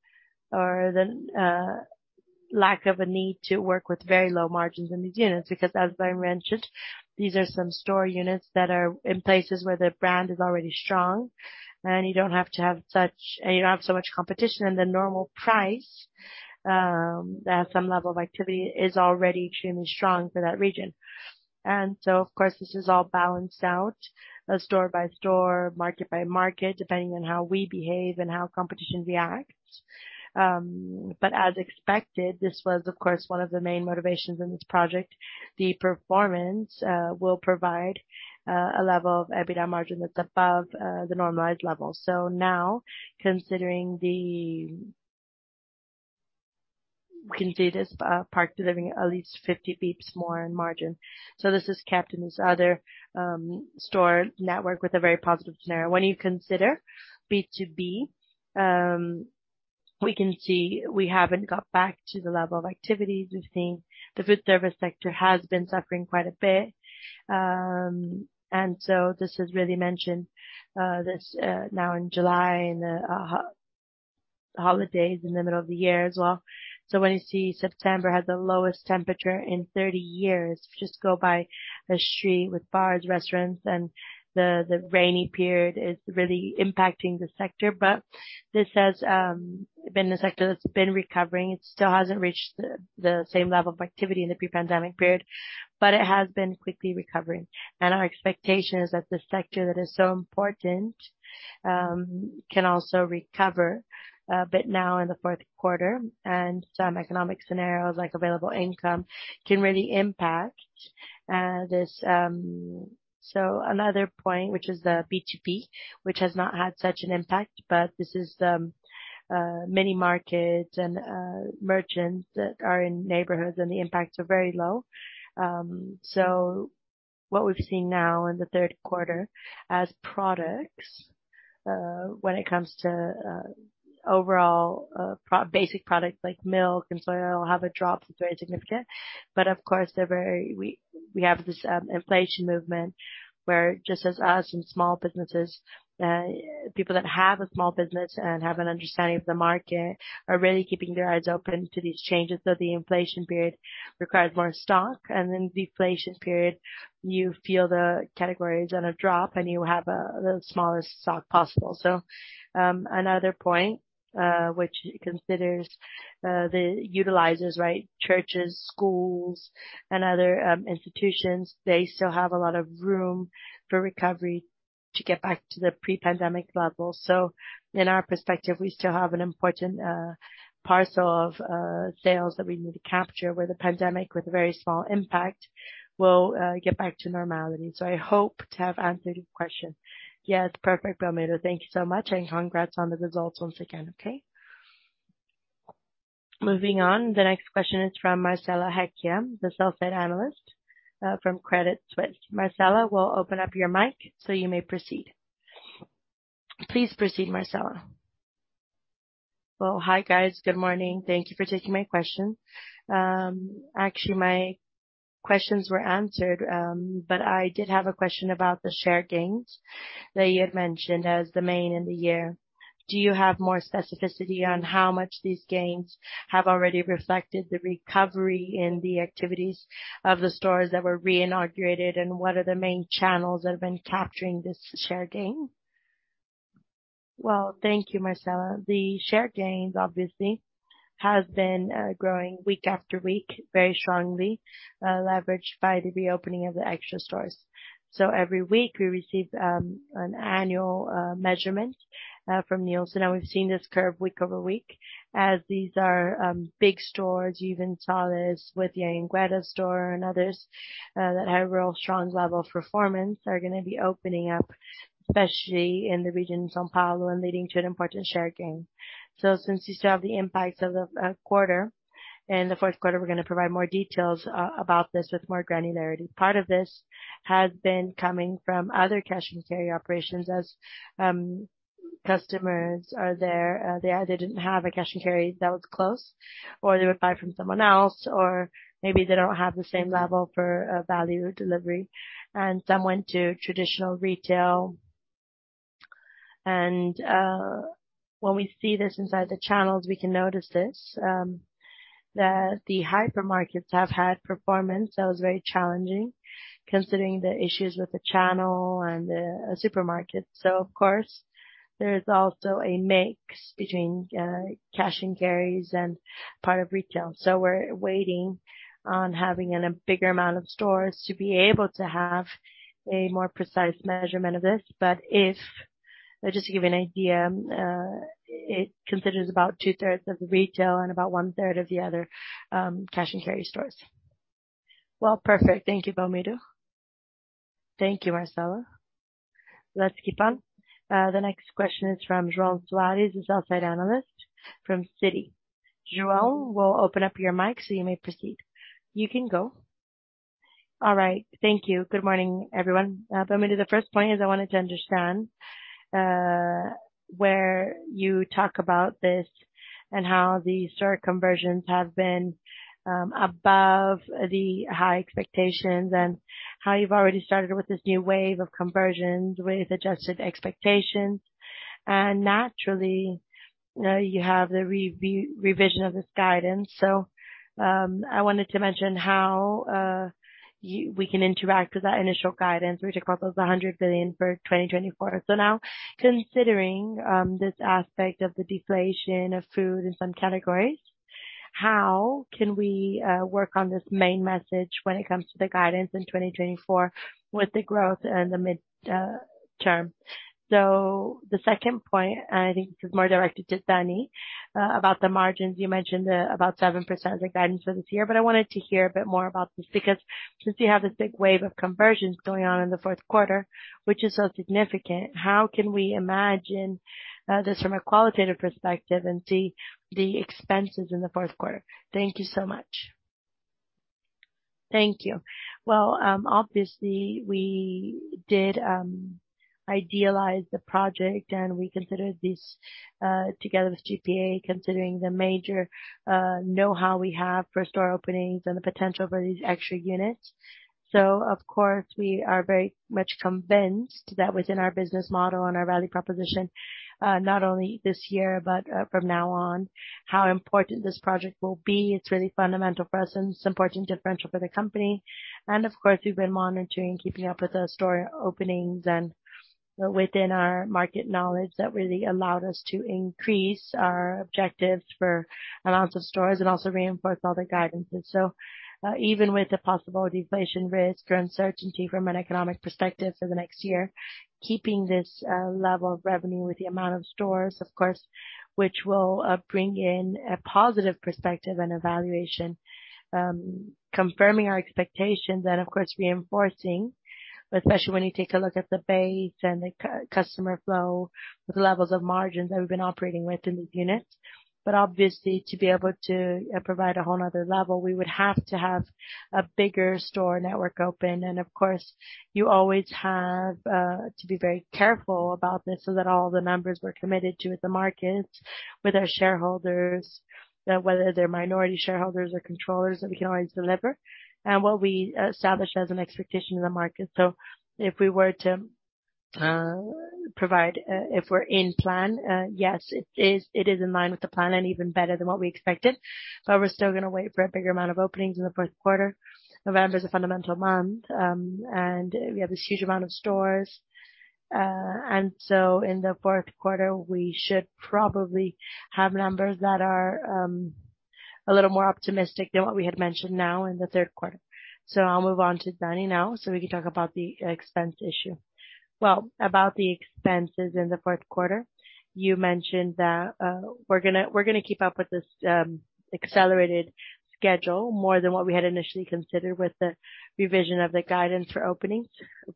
or the lack of a need to work with very low margins in these units, because as I mentioned, these are some store units that are in places where the brand is already strong, and you don't have so much competition. The normal price at some level of activity is already extremely strong for that region. Of course, this is all balanced out store by store, market by market, depending on how we behave and how competition reacts. As expected, this was of course one of the main motivations in this project. The performance will provide a level of EBITDA margin that's above the normalized level. Now considering the... We can see this part delivering at least 50 basis points more in margin. This has kept in this other store network with a very positive scenario. When you consider B2B, we can see we haven't got back to the level of activities we've seen. The food service sector has been suffering quite a bit. This is really mentioned now in July and the holidays in the middle of the year as well. When you see September had the lowest temperature in 30 years, just go by a street with bars, restaurants, and the rainy period is really impacting the sector. This has been the sector that's been recovering. It still hasn't reached the same level of activity in the pre-pandemic period, but it has been quickly recovering. Our expectation is that the sector that is so important can also recover a bit now in the fourth quarter. Some economic scenarios, like available income, can really impact this. Another point, which is the B2B, which has not had such an impact, but this is many markets and merchants that are in neighborhoods, and the impacts are very low. What we've seen now in the third quarter as products, when it comes to overall basic products like milk and soy oil have a drop that's very significant. But of course, they're we have this inflation movement where just as us and small businesses, people that have a small business and have an understanding of the market are really keeping their eyes open to these changes. The inflation period requires more stock, and in deflation period, you feel the categories on a drop and you have the smallest stock possible. Another point which considers the users, right? Churches, schools, and other institutions, they still have a lot of room for recovery to get back to the pre-pandemic level. In our perspective, we still have an important parcel of sales that we need to capture, where the pandemic, with a very small impact, will get back to normality. I hope to have answered your question. Yes. Perfect, Belmiro. Thank you so much, and congrats on the results once again. Okay. Moving on. The next question is from Marcela Hekem, the sell-side analyst from Credit Suisse. Marcela, we'll open up your mic so you may proceed. Please proceed, Marcela. Well, hi, guys. Good morning. Thank you for taking my question. Actually, my questions were answered, but I did have a question about the share gains that you had mentioned as the main driver in the year. Do you have more specificity on how much these gains have already reflected the recovery in the activities of the stores that were reinaugurated, and what are the main channels that have been capturing this share gain? Well, thank you, Marcela. The share gains obviously have been growing week after week very strongly, leveraged by the reopening of the Extra stores. Every week, we receive a Nielsen measurement from Nielsen, and we've seen this curve week over week as these are big stores. You even saw this with the Anhanguera store and others that have a real strong level of performance are gonna be opening up, especially in the region São Paulo and leading to an important share gain. Since you still have the impacts of the quarter in the fourth quarter, we're gonna provide more details about this with more granularity. Part of this has been coming from other cash and carry operations as customers are there. They either didn't have a cash and carry that was close, or they would buy from someone else, or maybe they don't have the same level for value delivery, and some went to traditional retail. When we see this inside the channels, we can notice this that the hypermarkets have had performance that was very challenging considering the issues with the channel and the supermarkets. Of course, there is also a mix between cash and carries and part of retail. We're waiting on having a bigger amount of stores to be able to have a more precise measurement of this. Just to give you an idea, it considers about two-thirds of the retail and about one-third of the other, cash-and-carry stores. Well, perfect. Thank you, Belmiro. Thank you, Marcela. Let's keep on. The next question is from João Pedro Soares, a sell-side analyst from Citi. João Pedro Soares, we'll open up your mic so you may proceed. You can go. All right. Thank you. Good morning, everyone. Belmiro, the first point is I wanted to understand where you talk about this and how the store conversions have been above the high expectations and how you've already started with this new wave of conversions with adjusted expectations. Naturally, you have the revision of this guidance. I wanted to mention how we can interact with that initial guidance, which talk about those 100 billion for 2024. Now, considering this aspect of the deflation of food in some categories, how can we work on this main message when it comes to the guidance in 2024 with the growth and the mid-term? The second point, and I think this is more directed to Danny, about the margins. You mentioned about 7% of the guidance for this year, but I wanted to hear a bit more about this because since you have this big wave of conversions going on in the fourth quarter, which is so significant, how can we imagine this from a qualitative perspective and see the expenses in the fourth quarter? Thank you so much. Thank you. Well, obviously, we did idealize the project, and we considered this together with GPA, considering the major know-how we have for store openings and the potential for these extra units. Of course, we are very much convinced that within our business model and our value proposition, not only this year but from now on, how important this project will be. It's really fundamental for us and it's important differential for the company. Of course, we've been monitoring, keeping up with the store openings and within our market knowledge that really allowed us to increase our objectives for amounts of stores and also reinforce all the guidances. Even with the possible deflation risk or uncertainty from an economic perspective for the next year, keeping this level of revenue with the amount of stores, of course, which will bring in a positive perspective and evaluation, confirming our expectations and of course, reinforcing, especially when you take a look at the base and the customer flow with the levels of margins that we've been operating with in these units. Obviously, to be able to provide a whole other level, we would have to have a bigger store network open. Of course, you always have to be very careful about this so that all the numbers we're committed to with the markets, with our shareholders, whether they're minority shareholders or controllers, that we can always deliver and what we establish as an expectation in the market. If we're in plan, yes, it is in line with the plan and even better than what we expected. We're still gonna wait for a bigger amount of openings in the fourth quarter. November is a fundamental month, and we have this huge amount of stores. In the fourth quarter, we should probably have numbers that are a little more optimistic than what we had mentioned now in the third quarter. I'll move on to Danny now, so we can talk about the expense issue. Well, about the expenses in the fourth quarter, you mentioned that we're gonna keep up with this accelerated schedule more than what we had initially considered with the revision of the guidance for openings,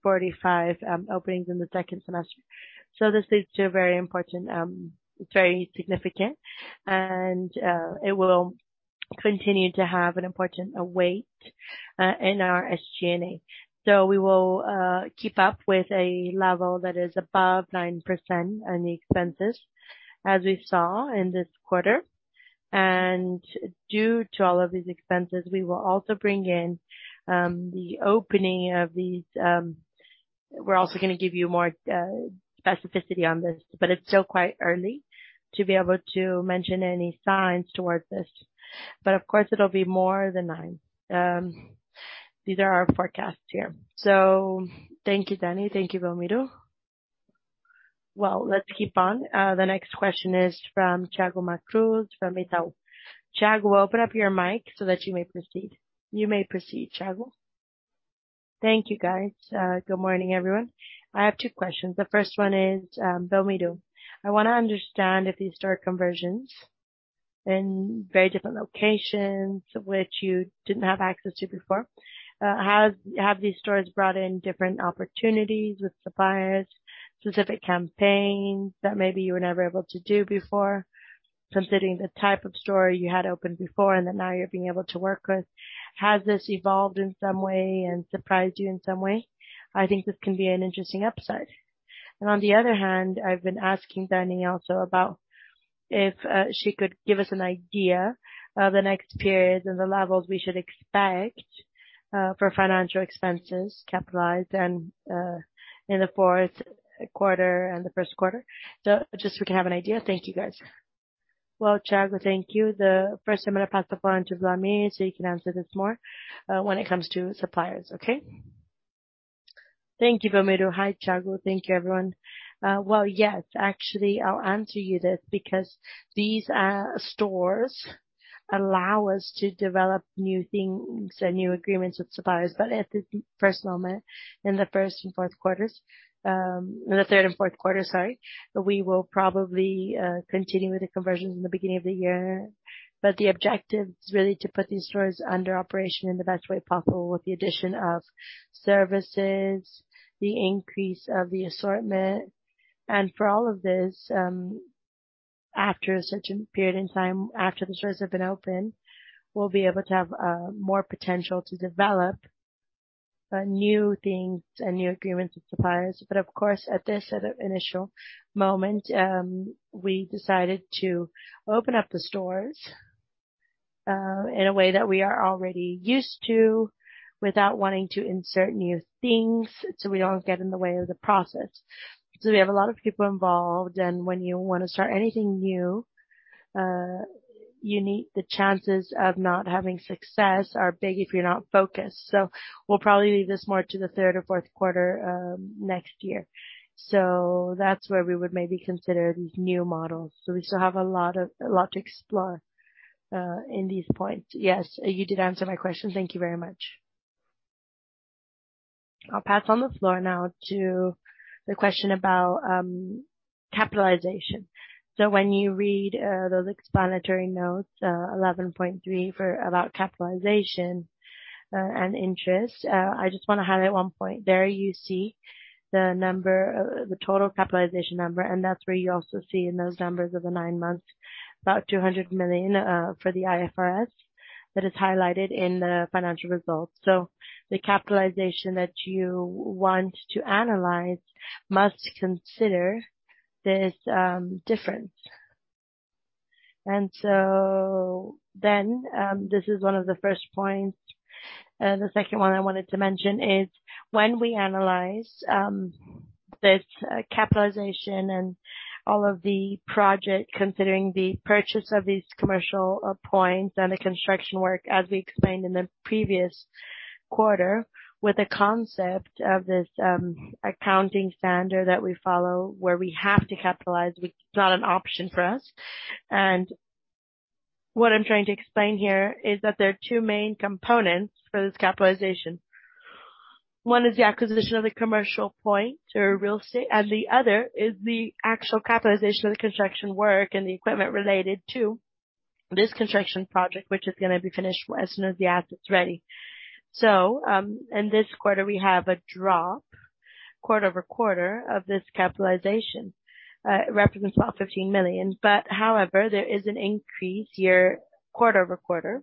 45 openings in the second semester. This is very important. It's very significant. It will continue to have an important weight in our SG&A. We will keep up with a level that is above 9% on the expenses, as we saw in this quarter. Due to all of these expenses, we will also bring in the opening of these. We're also gonna give you more specificity on this, but it's still quite early to be able to mention any signs towards this. Of course, it'll be more than 9. These are our forecasts here. Thank you, Danny. Thank you, Belmiro. Well, let's keep on. The next question is from Thiago Matos from Itaú. Thiago, we'll open up your mic so that you may proceed. You may proceed, Thiago. Thank you, guys. Good morning, everyone. I have two questions. The first one is, Belmiro. I wanna understand if these store conversions in very different locations which you didn't have access to before, have these stores brought in different opportunities with suppliers, specific campaigns that maybe you were never able to do before, considering the type of store you had opened before and that now you're being able to work with? Has this evolved in some way and surprised you in some way? I think this can be an interesting upside. On the other hand, I've been asking Daniela also about if she could give us an idea of the next periods and the levels we should expect for financial expenses capitalized and in the fourth quarter and the first quarter. Just so we can have an idea. Thank you guys. Well, Thiago, thank you. First, I'm gonna pass the floor on to Wlamir, so you can answer this more when it comes to suppliers. Okay. Thank you, Belmiro. Hi, Thiago. Thank you, everyone. Well, yes, actually, I'll answer you this because these stores allow us to develop new things and new agreements with suppliers. But at this first moment, in the third and fourth quarter, sorry, we will probably continue with the conversions in the beginning of the year. The objective is really to put these stores under operation in the best way possible with the addition of services, the increase of the assortment. For all of this, after a certain period in time, after the stores have been opened, we'll be able to have more potential to develop new things and new agreements with suppliers. Of course, at this initial moment, we decided to open up the stores in a way that we are already used to without wanting to insert new things, so we don't get in the way of the process. We have a lot of people involved, and when you wanna start anything new, the chances of not having success are big if you're not focused. We'll probably leave this more to the third or fourth quarter next year. That's where we would maybe consider these new models. We still have a lot to explore in these points. Yes, you did answer my question. Thank you very much. I'll pass on the floor now to the question about capitalization. When you read those explanatory notes, 11.3 for about capitalization and interest, I just wanna highlight one point. There you see the number, the total capitalization number, and that's where you also see in those numbers of the nine months, about 200 million for the IFRS that is highlighted in the financial results. The capitalization that you want to analyze must consider this difference. This is one of the first points. The second one I wanted to mention is when we analyze this capitalization and all of the project, considering the purchase of these commercial points and the construction work, as we explained in the previous quarter, with the concept of this accounting standard that we follow, where we have to capitalize, it's not an option for us. What I'm trying to explain here is that there are two main components for this capitalization. One is the acquisition of the commercial point or real estate, and the other is the actual capitalization of the construction work and the equipment related to this construction project, which is gonna be finished as soon as the asset's ready. In this quarter, we have a drop quarter-over-quarter of this capitalization. It represents about 15 million. However, there is an increase year-over-year, quarter-over-quarter,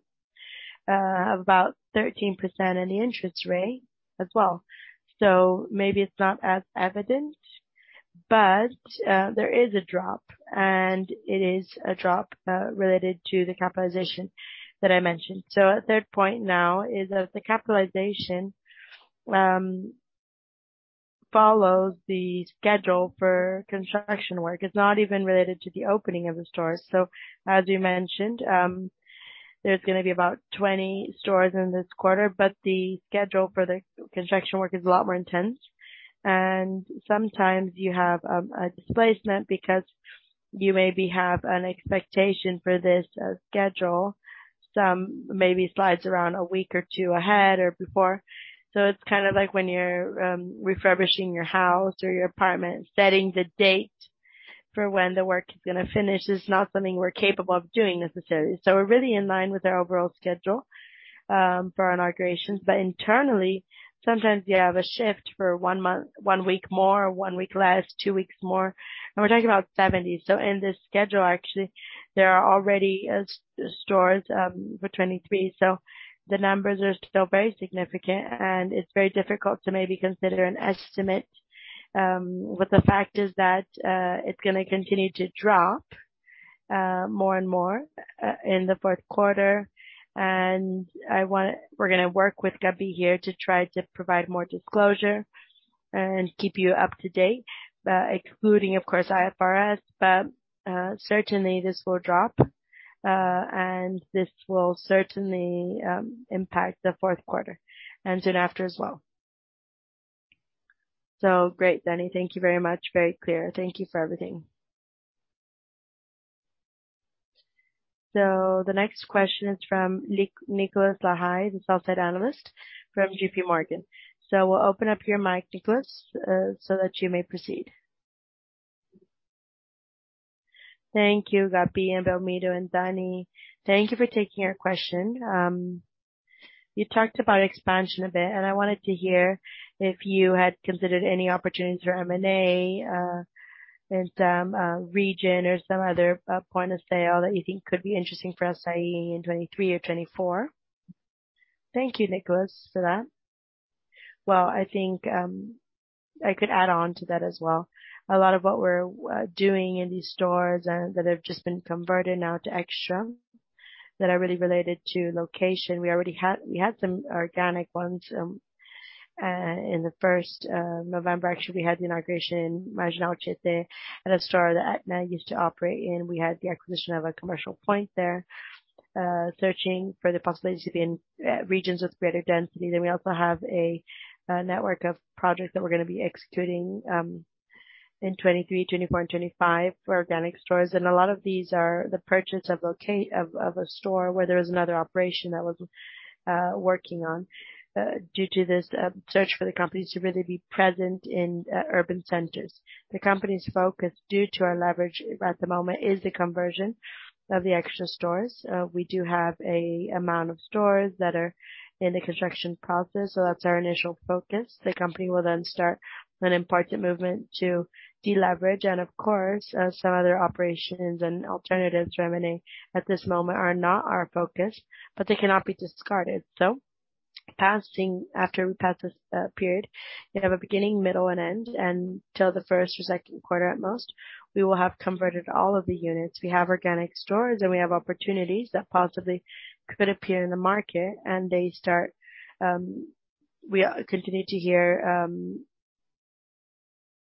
of about 13% in the interest rate as well. Maybe it's not as evident, but there is a drop, and it is a drop, related to the capitalization that I mentioned. A third point now is that the capitalization follows the schedule for construction work. It's not even related to the opening of the store. As you mentioned, there's gonna be about 20 stores in this quarter, but the schedule for the construction work is a lot more intense. Sometimes you have a displacement because you maybe have an expectation for this schedule; some may be slides around a week or two ahead or before. It's kinda like when you're refurbishing your house or your apartment, setting the date for when the work is gonna finish is not something we're capable of doing necessarily. We're really in line with our overall schedule for inaugurations. Internally, sometimes you have a shift for one month, one week more, one week less, two weeks more. We're talking about 70. In this schedule, actually, there are already stores for 2023, so the numbers are still very significant, and it's very difficult to maybe consider an estimate. The fact is that it's gonna continue to drop more and more in the fourth quarter. We're gonna work with Gabi here to try to provide more disclosure and keep you up to date, including, of course, IFRS. Certainly this will drop, and this will certainly impact the fourth quarter and soon after as well. Great, Danny. Thank you very much. Very clear. Thank you for everything. The next question is from Nicolas Larrain, the sell-side analyst from JPMorgan. We'll open up your mic, Nicolas, so that you may proceed. Thank you, Gabi and Belmiro and Danny. Thank you for taking our question. You talked about expansion a bit, and I wanted to hear if you had considered any opportunities for M&A, in some region or some other point of sale that you think could be interesting for Assaí in 2023 or 2024. Thank you, Nicolas, for that. Well, I think I could add on to that as well. A lot of what we're doing in these stores and that have just been converted now to Extra that are really related to location. We had some organic ones in the first November, actually, we had the inauguration at a store that Etna used to operate in. We had the acquisition of a commercial point there, searching for the possibility to be in regions with greater density. We also have a network of projects that we're gonna be executing in 2023, 2024 and 2025 for organic stores. A lot of these are the purchase of a store where there was another operation that was working on due to this search for the companies to really be present in urban centers. The company's focus, due to our leverage at the moment, is the conversion of the Extra stores. We do have an amount of stores that are in the construction process, so that's our initial focus. The company will then start an important movement to deleverage. Of course, some other operations and alternatives remaining at this moment are not our focus, but they cannot be discarded. After we pass this period, we have a beginning, middle, and end, and till the first or second quarter at most, we will have converted all of the units. We have organic stores and we have opportunities that possibly could appear in the market and they start. We continue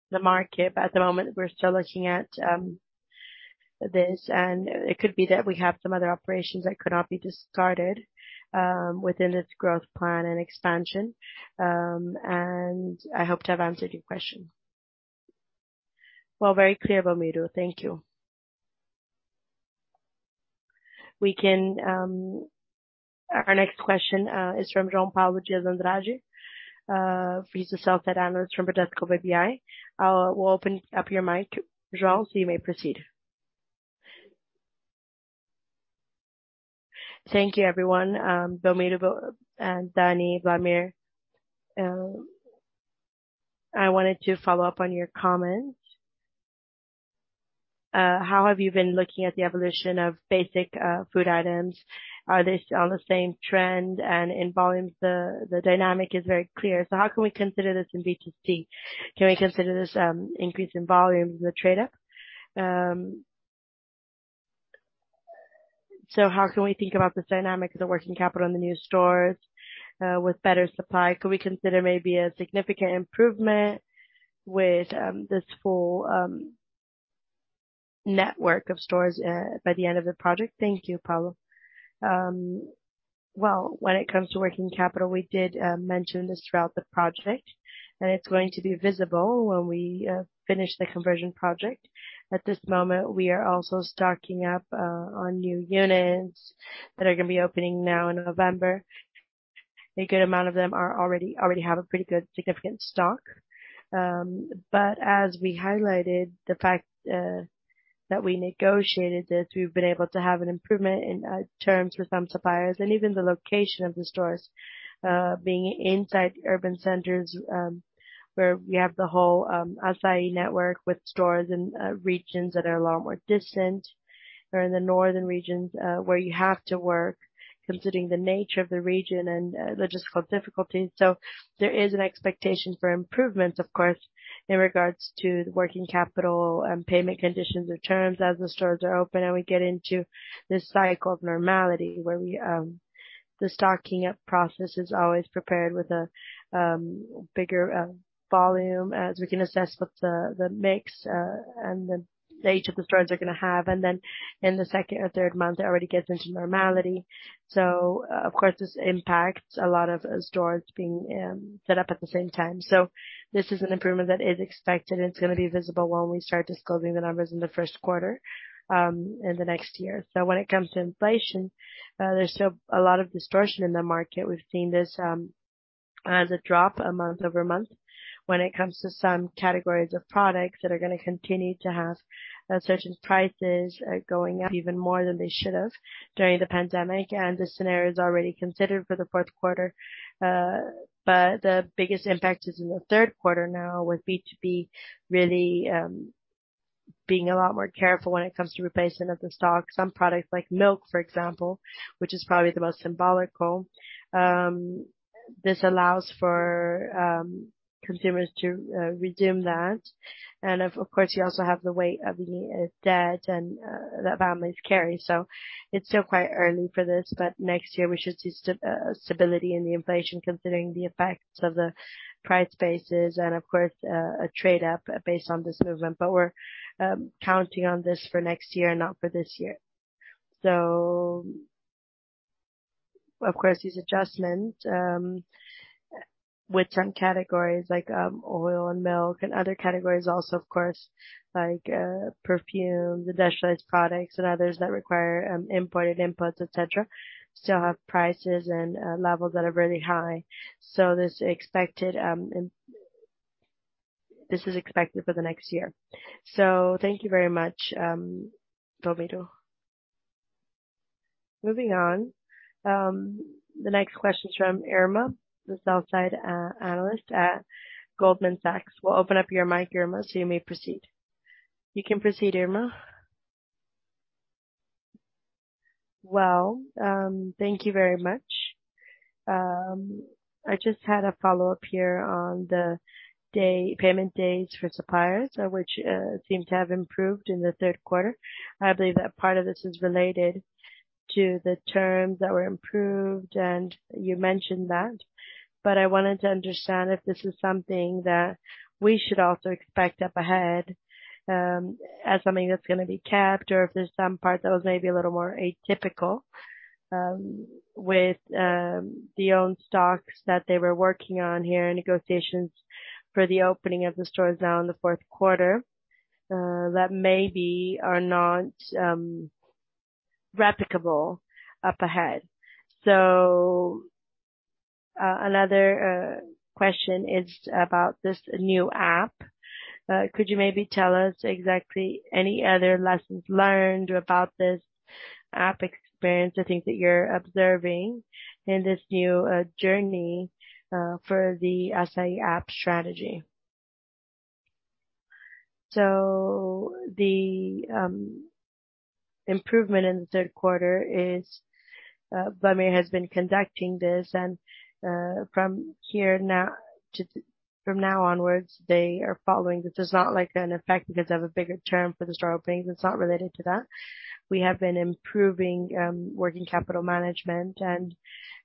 to hear the market, but at the moment we're still looking at this. It could be that we have some other operations that could not be discarded within this growth plan and expansion. I hope to have answered your question. Well, very clear, Belmiro. Thank you. We can- Our next question is from João Paulo de Andrade, analyst from Bradesco BBI. We'll open up your mic, João, so you may proceed. Thank you, everyone, Belmiro, and Danny, Wlamir. I wanted to follow up on your comment. How have you been looking at the evolution of basic food items? Are they on the same trend and in volumes? The dynamic is very clear. So how can we consider this in B2C? Can we consider this increase in volume as a trade-up? How can we think about the dynamic of the working capital in the new stores with better supply? Could we consider maybe a significant improvement with this full network of stores by the end of the project? Thank you, Paulo. Well, when it comes to working capital, we did mention this throughout the project, and it's going to be visible when we finish the conversion project. At this moment, we are also stocking up on new units that are gonna be opening now in November. A good amount of them are already have a pretty good significant stock. As we highlighted, the fact that we negotiated this, we've been able to have an improvement in terms with some suppliers and even the location of the stores being inside urban centers, where we have the whole Assaí network with stores in regions that are a lot more distant or in the northern regions, where you have to work considering the nature of the region and logistical difficulties. There is an expectation for improvements, of course, in regards to the working capital and payment conditions or terms as the stores are open and we get into this cycle of normality where we the stocking up process is always prepared with a bigger volume as we can assess what the mix and each of the stores are gonna have. Then in the second or third month, it already gets into normality. Of course, this impacts a lot of stores being set up at the same time. This is an improvement that is expected, and it's gonna be visible when we start disclosing the numbers in the first quarter in the next year. When it comes to inflation, there's still a lot of distortion in the market. We've seen this as a drop month-over-month when it comes to some categories of products that are gonna continue to have such as prices going up even more than they should have during the pandemic. This scenario is already considered for the fourth quarter. The biggest impact is in the third quarter now, with B2B really being a lot more careful when it comes to replacement of the stock. Some products like milk, for example, which is probably the most symbolic. This allows for consumers to redeem that. Of course, you also have the weight of the debt that families carry. It's still quite early for this, but next year we should see stability in the inflation considering the base effects and of course, a trade up based on this movement. We're counting on this for next year, not for this year. Of course, these adjustments with certain categories like oil and milk and other categories also, of course, like perfume, the specialized products and others that require imported inputs, et cetera, still have prices and levels that are really high. This is expected for the next year. Thank you very much, Belmiro. Moving on. The next question is from Irma, the sell-side analyst at Goldman Sachs. We'll open up your mic, Irma, so you may proceed. You can proceed, Irma. Well, thank you very much. I just had a follow-up here on the payment days for suppliers, which seem to have improved in the third quarter. I believe that part of this is related to the terms that wee improved, and you mentioned that. I wanted to understand if this is something that we should also expect up ahead, as something that's gonna be kept, or if there's some part that was maybe a little more atypical, with the own stocks that they were working on here, negotiations for the opening of the stores now in the fourth quarter, that maybe are not replicable up ahead. Another question is about this new app. Could you maybe tell us exactly any other lessons learned about this app experience or things that you're observing in this new journey for the Assaí app strategy? The improvement in the third quarter is, Wlamir has been conducting this and, from now onwards, they are following. This is not like an effect because of a bigger term for the store openings. It's not related to that. We have been improving working capital management and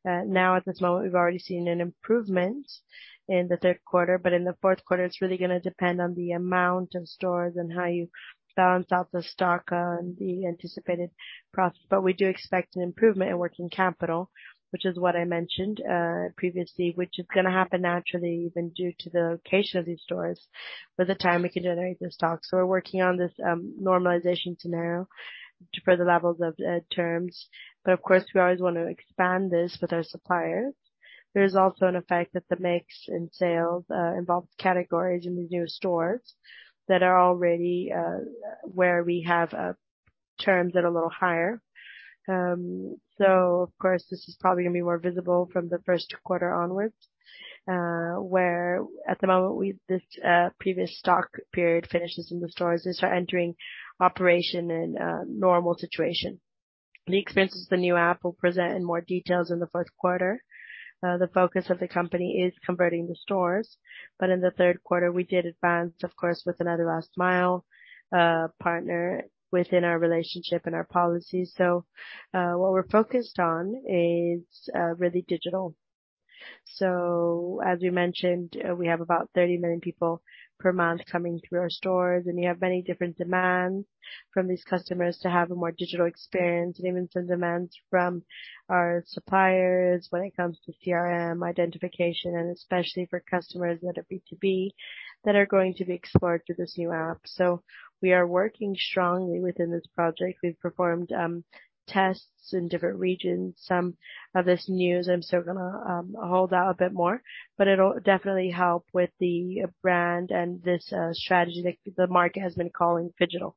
now at this moment, we've already seen an improvement in the third quarter, but in the fourth quarter, it's really gonna depend on the amount of stores and how you balance out the stock on the anticipated process. We do expect an improvement in working capital, which is what I mentioned previously, which is gonna happen naturally, even due to the location of these stores, by the time we can generate the stock. We're working on this normalization scenario to further levels of the terms. Of course, we always wanna expand this with our suppliers. There's also an effect that the mix in sales involves categories in the new stores that are already where we have terms that are a little higher. Of course, this is probably gonna be more visible from the first quarter onwards, where at the moment this previous stock period finishes in the stores, they start entering operation in a normal situation. The experiences the new app will present in more details in the fourth quarter. The focus of the company is converting the stores. In the third quarter we did advance, of course, with another last mile partner within our relationship and our policies. What we're focused on is really digital. As we mentioned, we have about 30 million people per month coming through our stores, and we have many different demands from these customers to have a more digital experience, and even some demands from our suppliers when it comes to CRM identification, and especially for customers that are B2B, that are going to be explored through this new app. We are working strongly within this project. We've performed tests in different regions. Some of this news I'm still gonna hold out a bit more, but it'll definitely help with the brand and this strategy that the market has been calling phygital.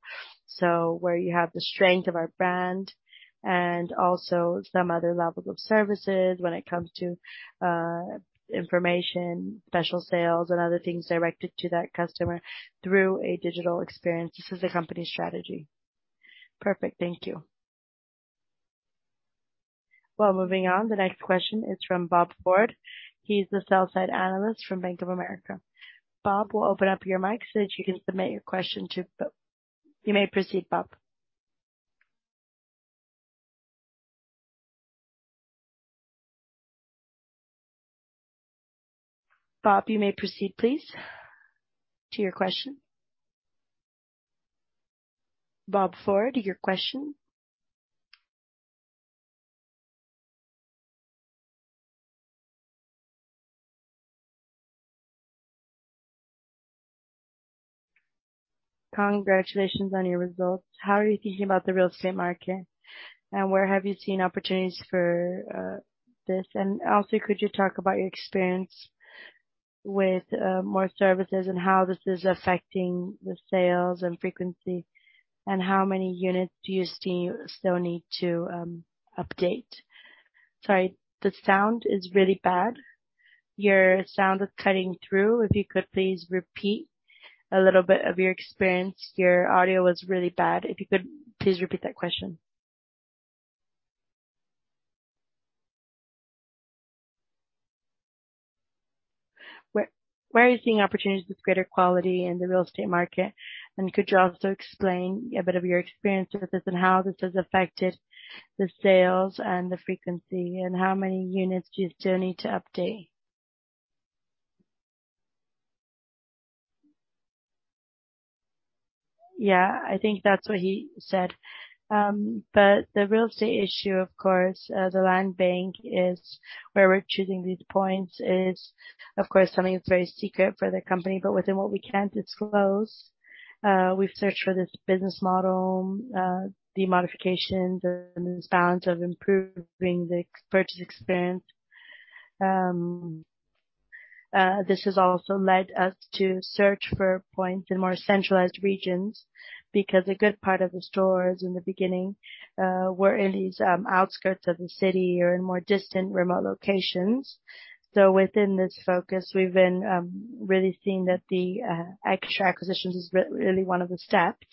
Where you have the strength of our brand and also some other levels of services when it comes to information, special sales and other things directed to that customer through a digital experience. This is the company strategy. Perfect. Thank you. Well, moving on. The next question is from Bob Ford. He's the sell-side analyst from Bank of America. Bob, we'll open up your mic so that you can submit your question. You may proceed, Bob. Bob, you may proceed, please, to your question. Bob Ford, your question. Congratulations on your results. How are you thinking about the real estate market, and where have you seen opportunities for this? And also, could you talk about your experience with more services and how this is affecting the sales and frequency, and how many units do you see you still need to update? Sorry, the sound is really bad. Your sound is cutting through. If you could, please repeat a little bit of your experience. Your audio was really bad. If you could, please repeat that question. Where are you seeing opportunities with greater quality in the real estate market? And could you also explain a bit of your experience with this and how this has affected the sales and the frequency, and how many units do you still need to update? Yeah, I think that's what he said. The real estate issue, of course, the land bank is where we're choosing these points, of course, something that's very secret for the company, but within what we can disclose, we've searched for this business model, the modifications and this balance of improving the purchase experience. This has also led us to search for points in more centralized regions because a good part of the stores in the beginning were in these outskirts of the city or in more distant, remote locations. Within this focus, we've been really seeing that the Extra acquisitions is really one of the steps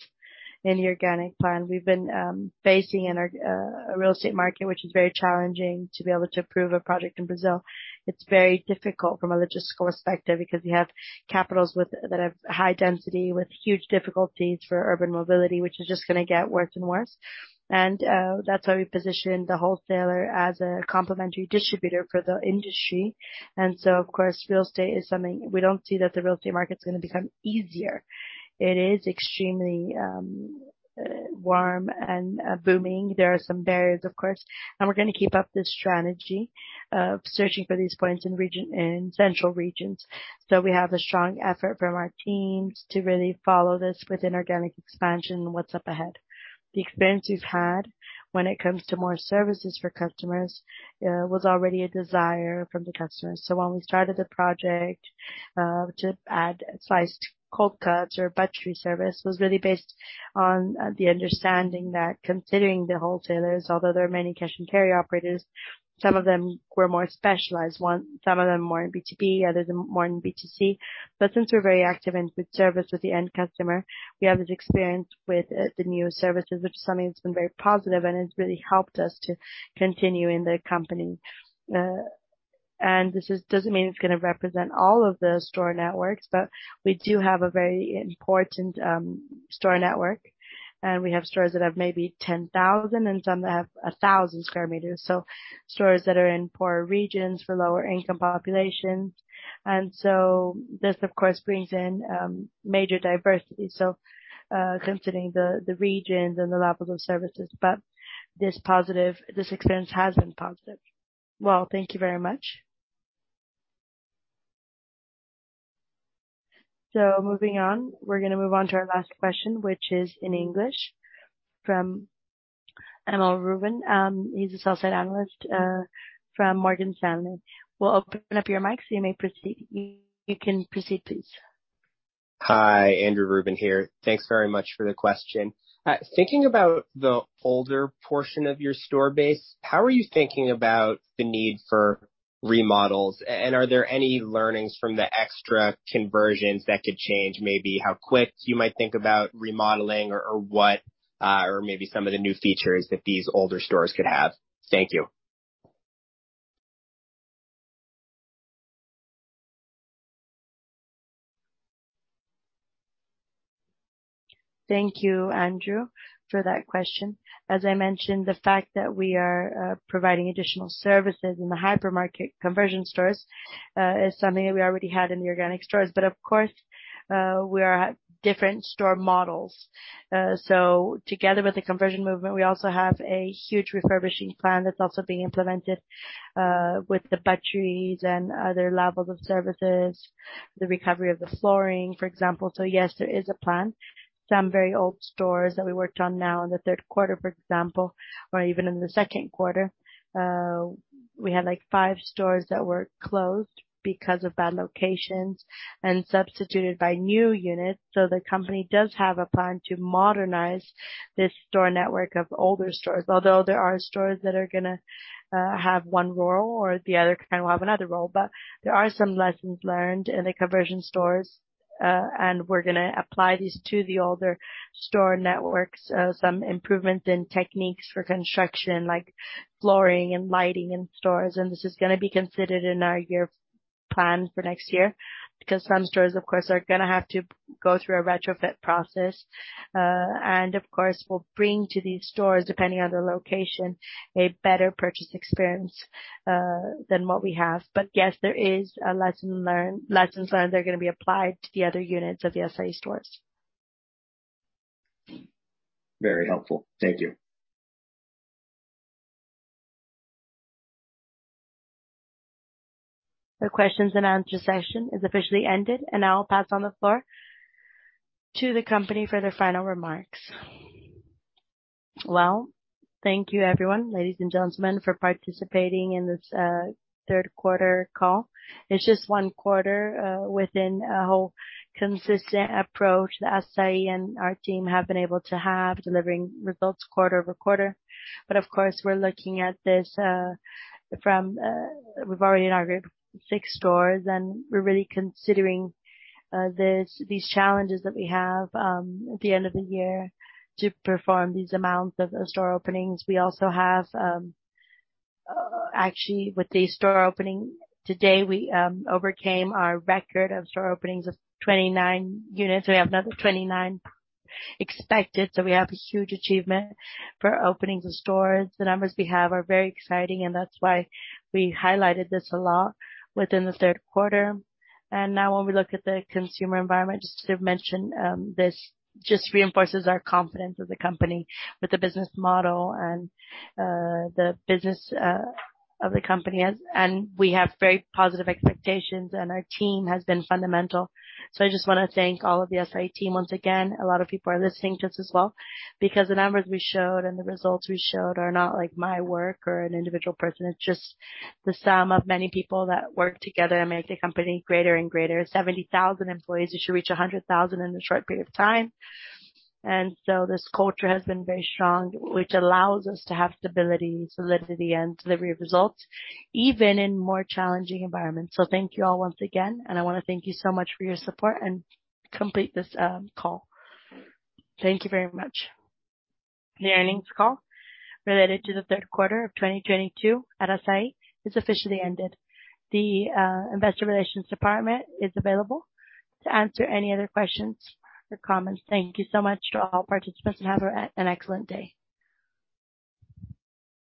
in the organic plan. We've been facing in our real estate market, which is very challenging to be able to approve a project in Brazil. It's very difficult from a logistical perspective because you have capitals that have high density, with huge difficulties for urban mobility, which is just gonna get worse and worse. That's why we positioned the wholesaler as a complementary distributor for the industry. Of course, real estate is something we don't see that the real estate market's gonna become easier. It is extremely warm and booming. There are some barriers, of course, and we're gonna keep up this strategy of searching for these points in central regions. We have a strong effort from our teams to really follow this with inorganic expansion and what's up ahead. The experience we've had when it comes to more services for customers was already a desire from the customers. When we started the project to add sliced cold cuts or butchery service was really based on the understanding that considering the wholesalers, although there are many cash and carry operators, some of them were more specialized. Some of them more in B2B, others more in B2C. Since we're very active in good service with the end customer, we have this experience with the new services, which is something that's been very positive and has really helped us to continue in the company. Doesn't mean it's gonna represent all of the store networks, but we do have a very important store network. We have stores that have maybe 10,000 and some that have 1,000 square meters. Stores that are in poorer regions for lower income populations. This, of course, brings in major diversity. Considering the regions and the level of services. This experience has been positive. Well, thank you very much. Moving on. We're gonna move on to our last question, which is in English from Andrew Ruben. He's a sell-side analyst from Morgan Stanley. We'll open up your mic so you may proceed. You can proceed, please. Hi, Andrew Ruben here. Thanks very much for the question. Thinking about the older portion of your store base, how are you thinking about the need for remodels? And are there any learnings from the Extra conversions that could change maybe how quick you might think about remodeling or what or maybe some of the new features that these older stores could have? Thank you. Thank you, Andrew, for that question. As I mentioned, the fact that we are providing additional services in the hypermarket conversion stores is something that we already had in the organic stores. Of course, we are different store models. Together with the conversion movement, we also have a huge refurbishing plan that's also being implemented with the butcheries and other levels of services, the recovery of the flooring, for example. Yes, there is a plan. Some very old stores that we worked on now in the third quarter for example or even in the second quarter, we had like five stores that were closed because of bad locations and substituted by new units. The company does have a plan to modernize this store network of older stores. Although there are stores that are gonna have one role or the other kind will have another role. There are some lessons learned in the conversion stores, and we're gonna apply these to the older store networks. Some improvements in techniques for construction like flooring and lighting in stores. This is gonna be considered in our year plan for next year because some stores of course are gonna have to go through a retrofit process. Of course we'll bring to these stores, depending on the location, a better purchase experience than what we have. Yes, there are lessons learned that are gonna be applied to the other units of the Assaí stores. Very helpful. Thank you. The questions and answer session is officially ended, and I'll pass on the floor to the company for their final remarks. Well, thank you everyone, ladies and gentlemen, for participating in this third quarter call. It's just one quarter within a whole consistent approach that Assaí and our team have been able to have delivering results quarter over quarter. Of course, we're looking at this from we've already inaugurated 6 stores and we're really considering these challenges that we have at the end of the year to perform these amounts of store openings. We also have actually with the store opening today, we overcame our record of store openings of 29 units. We have another 29 expected, so we have a huge achievement for openings of stores. The numbers we have are very exciting and that's why we highlighted this a lot within the third quarter. Now when we look at the consumer environment, just to mention, this just reinforces our confidence as a company with the business model and the business of the company. We have very positive expectations and our team has been fundamental. I just wanna thank all of the Assaí team once again. A lot of people are listening to us as well because the numbers we showed and the results we showed are not like my work or an individual person. It's just the sum of many people that work together and make the company greater and greater. 70,000 employees. We should reach 100,000 in a short period of time. This culture has been very strong, which allows us to have stability, solidity and delivery of results even in more challenging environments. Thank you all once again, and I wanna thank you so much for your support and complete this call. Thank you very much. The earnings call related to the third quarter of 2022 at Assaí is officially ended. The investor relations department is available to answer any other questions or comments. Thank you so much to all participants and have an excellent day.